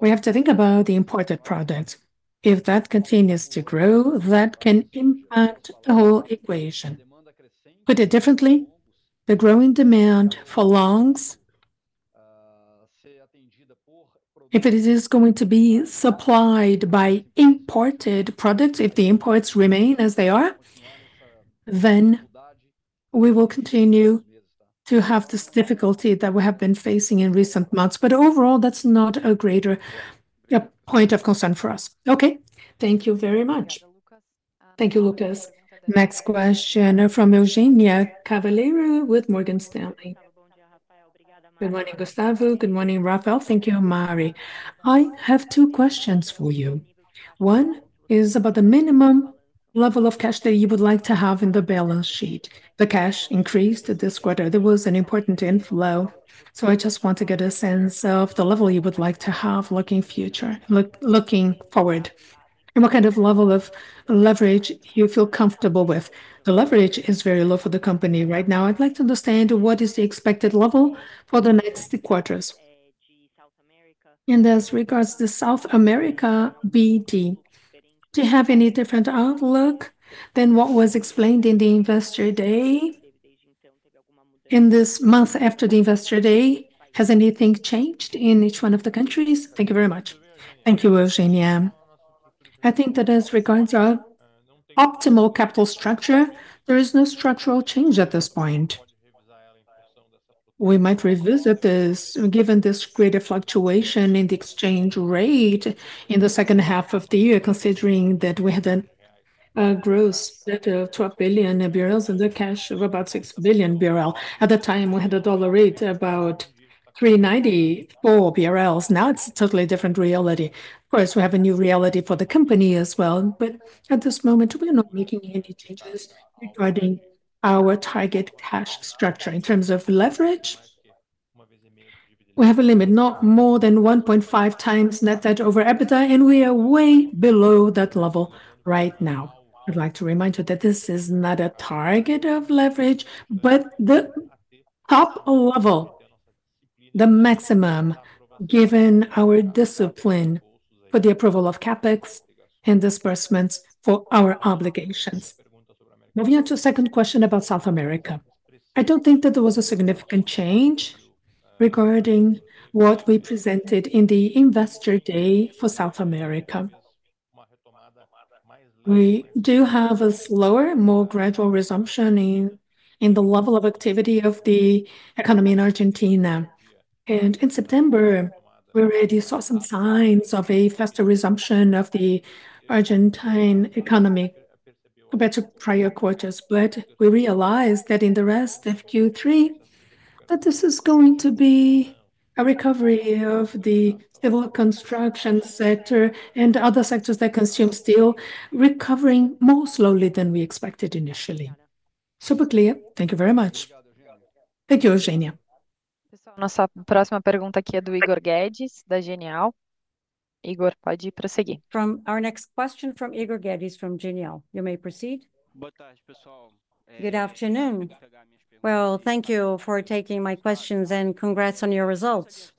we have to think about the imported products. If that continues to grow, that can impact the whole equation. Put it differently, the growing demand for longs, if it is going to be supplied by imported products, if the imports remain as they are, then we will continue to have this difficulty that we have been facing in recent months. But overall, that's not a greater point of concern for us. Okay, thank you very much. Thank you, Lucas. Next question from Eugenia Cavallero with Morgan Stanley. Good morning, Gustavo. Good morning, Rafael. Thank you, Mari. I have two questions for you. One is about the minimum level of cash that you would like to have in the balance sheet. The cash increased this quarter. There was an important inflow. I just want to get a sense of the level you would like to have looking future, looking forward. What kind of level of leverage you feel comfortable with? The leverage is very low for the company right now. I would like to understand what is the expected level for the next quarters. As regards to South America BD, do you have any different outlook than what was explained in the Investor Day? In this month after the Investor Day, has anything changed in each one of the countries? Thank you very much. Thank you, Eugenia. I think that as regards our optimal capital structure, there is no structural change at this point. We might revisit this given this greater fluctuation in the exchange rate in the H2 of the year, considering that we had a gross debt of 12 billion and a cash of about 6 billion. At the time, we had a dollar rate about 3.94 BRL. Now it's a totally different reality. Of course, we have a new reality for the company as well. But at this moment, we are not making any changes regarding our target cash structure. In terms of leverage, we have a limit, not more than 1.5 times net debt over EBITDA, and we are way below that level right now. I'd like to remind you that this is not a target of leverage, but the top level, the maximum given our discipline for the approval of CapEx and disbursements for our obligations. Moving on to the second question about South America. I don't think that there was a significant change regarding what we presented in the Investor Day for South America. We do have a slower, more gradual resumption in the level of activity of the economy in Argentina. And in September, we already saw some signs of a faster resumption of the Argentine economy compared to prior quarters. But we realized that in the rest of Q3, that this is going to be a recovery of the civil construction sector and other sectors that consume steel, recovering more slowly than we expected initially. Super clear. Thank you very much. Thank you, Eugenia. Nossa próxima pergunta aqui é do Igor Guedes, da Genial. Igor, pode ir para seguir. Our next question is from Igor Guedes from Genial. You may proceed. Good afternoon. Well, thank you for taking my questions and congrats on your results.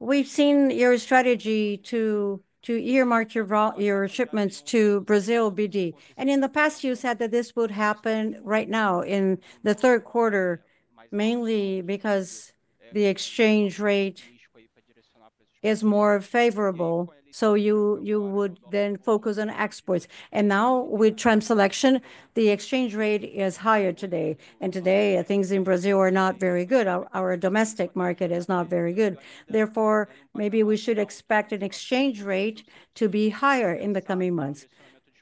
We've seen your strategy to earmark your shipments to Brazil BD, and in the past, you said that this would happen right now in the Q3, mainly because the exchange rate is more favorable, so you would then focus on exports, and now with Trump's election, the exchange rate is higher today, and today, things in Brazil are not very good. Our domestic market is not very good. Therefore, maybe we should expect an exchange rate to be higher in the coming months.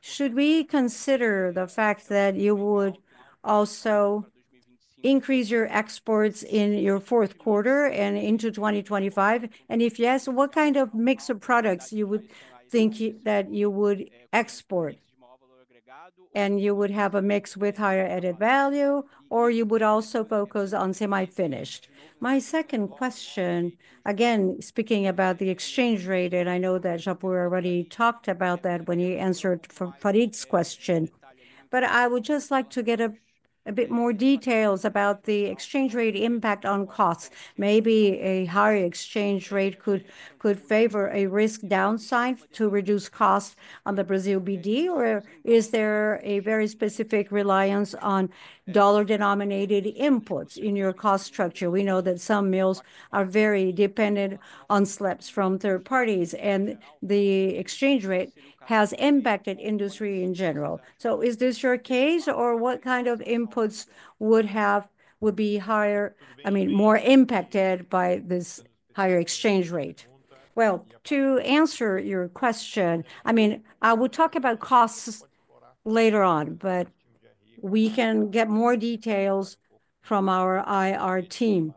Should we consider the fact that you would also increase your exports in your Q4 and into 2025? And if yes, what kind of mix of products do you think that you would export, and you would have a mix with higher added value, or you would also focus on semi-finished? My second question, again, speaking about the exchange rate, and I know that Japur already talked about that when he answered Farid's question, but I would just like to get a bit more details about the exchange rate impact on costs. Maybe a higher exchange rate could favor a risk downside to reduce costs on the Brazil BD, or is there a very specific reliance on dollar-denominated inputs in your cost structure? We know that some mills are very dependent on scrap from third parties, and the exchange rate has impacted industry in general. So is this your case, or what kind of inputs would be higher, I mean, more impacted by this higher exchange rate? To answer your question, I mean, I will talk about costs later on, but we can get more details from our IR team,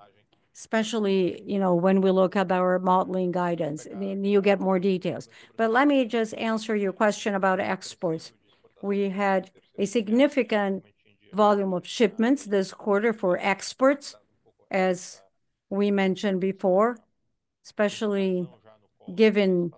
especially, you know, when we look at our modeling guidance, and you get more details. But let me just answer your question about exports. We had a significant volume of shipments this quarter for exports, as we mentioned before, especially given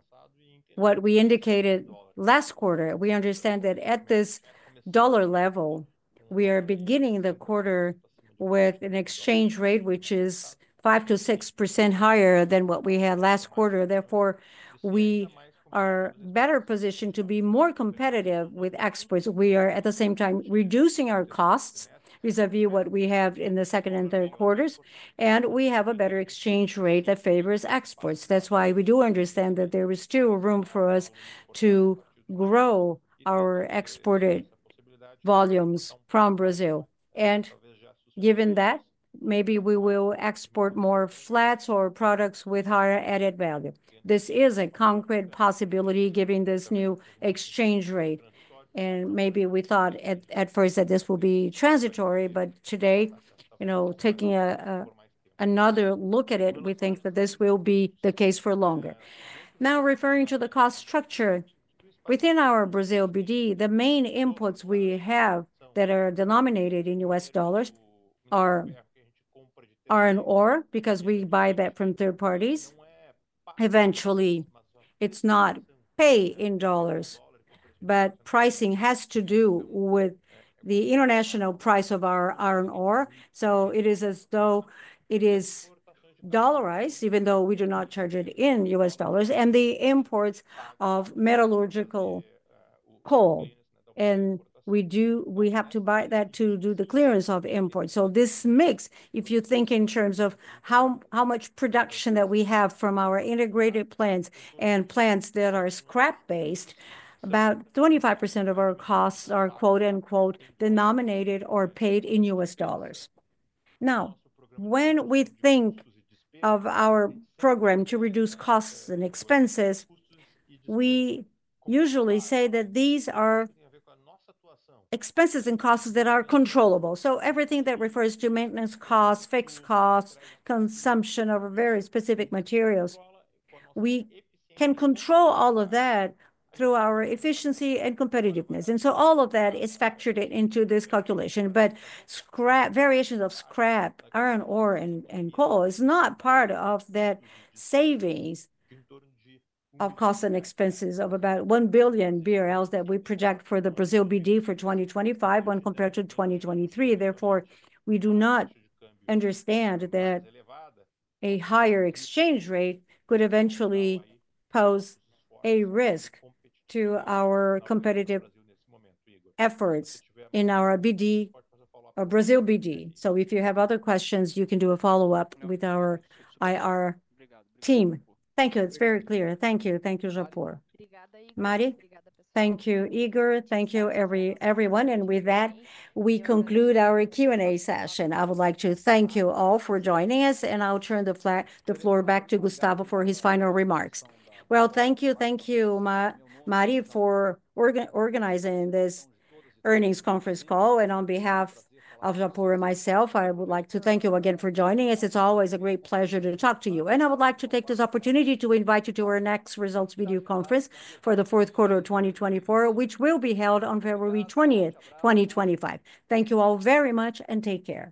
what we indicated last quarter. We understand that at this dollar level, we are beginning the quarter with an exchange rate which is 5%-6% higher than what we had last quarter. Therefore, we are better positioned to be more competitive with exports. We are, at the same time, reducing our costs vis-à-vis what we have in the second and Q3s, and we have a better exchange rate that favors exports. That's why we do understand that there is still room for us to grow our exported volumes from Brazil, and given that, maybe we will export more flats or products with higher added value. This is a concrete possibility given this new exchange rate, and maybe we thought at first that this will be transitory, but today, you know, taking another look at it, we think that this will be the case for longer. Now, referring to the cost structure within our Brazil BD, the main inputs we have that are denominated in U.S. dollars are iron ore because we buy that from third parties. Eventually, it's not paid in dollars, but pricing has to do with the international price of our iron ore. So it is as though it is dollarized, even though we do not charge it in U.S. dollars, and the imports of metallurgical coal. We do, we have to buy that to do the clearance of imports. This mix, if you think in terms of how much production that we have from our integrated plants and plants that are scrap-based, about 25% of our costs are quote-unquote denominated or paid in US dollars. Now, when we think of our program to reduce costs and expenses, we usually say that these are expenses and costs that are controllable. Everything that refers to maintenance costs, fixed costs, consumption of very specific materials, we can control all of that through our efficiency and competitiveness. So all of that is factored into this calculation. Variations of scrap, iron ore, and coal is not part of that savings of costs and expenses of about 1 billion BRL that we project for the Brazil BD for 2025 when compared to 2023. Therefore, we do not understand that a higher exchange rate could eventually pose a risk to our competitive efforts in our BD, Brazil BD. So if you have other questions, you can do a follow-up with our IR team. Thank you. It's very clear. Thank you. Thank you, Japur. Mari, thank you, Igor. Thank you, everyone. And with that, we conclude our Q&A session. I would like to thank you all for joining us, and I'll turn the floor back to Gustavo for his final remarks. Well, thank you. Thank you, Mari, for organizing this earnings conference call. And on behalf of Japur and myself, I would like to thank you again for joining us. It's always a great pleasure to talk to you. I would like to take this opportunity to invite you to our next results video conference for the Q4 of 2024, which will be held on February 20th, 2025. Thank you all very much, and take care.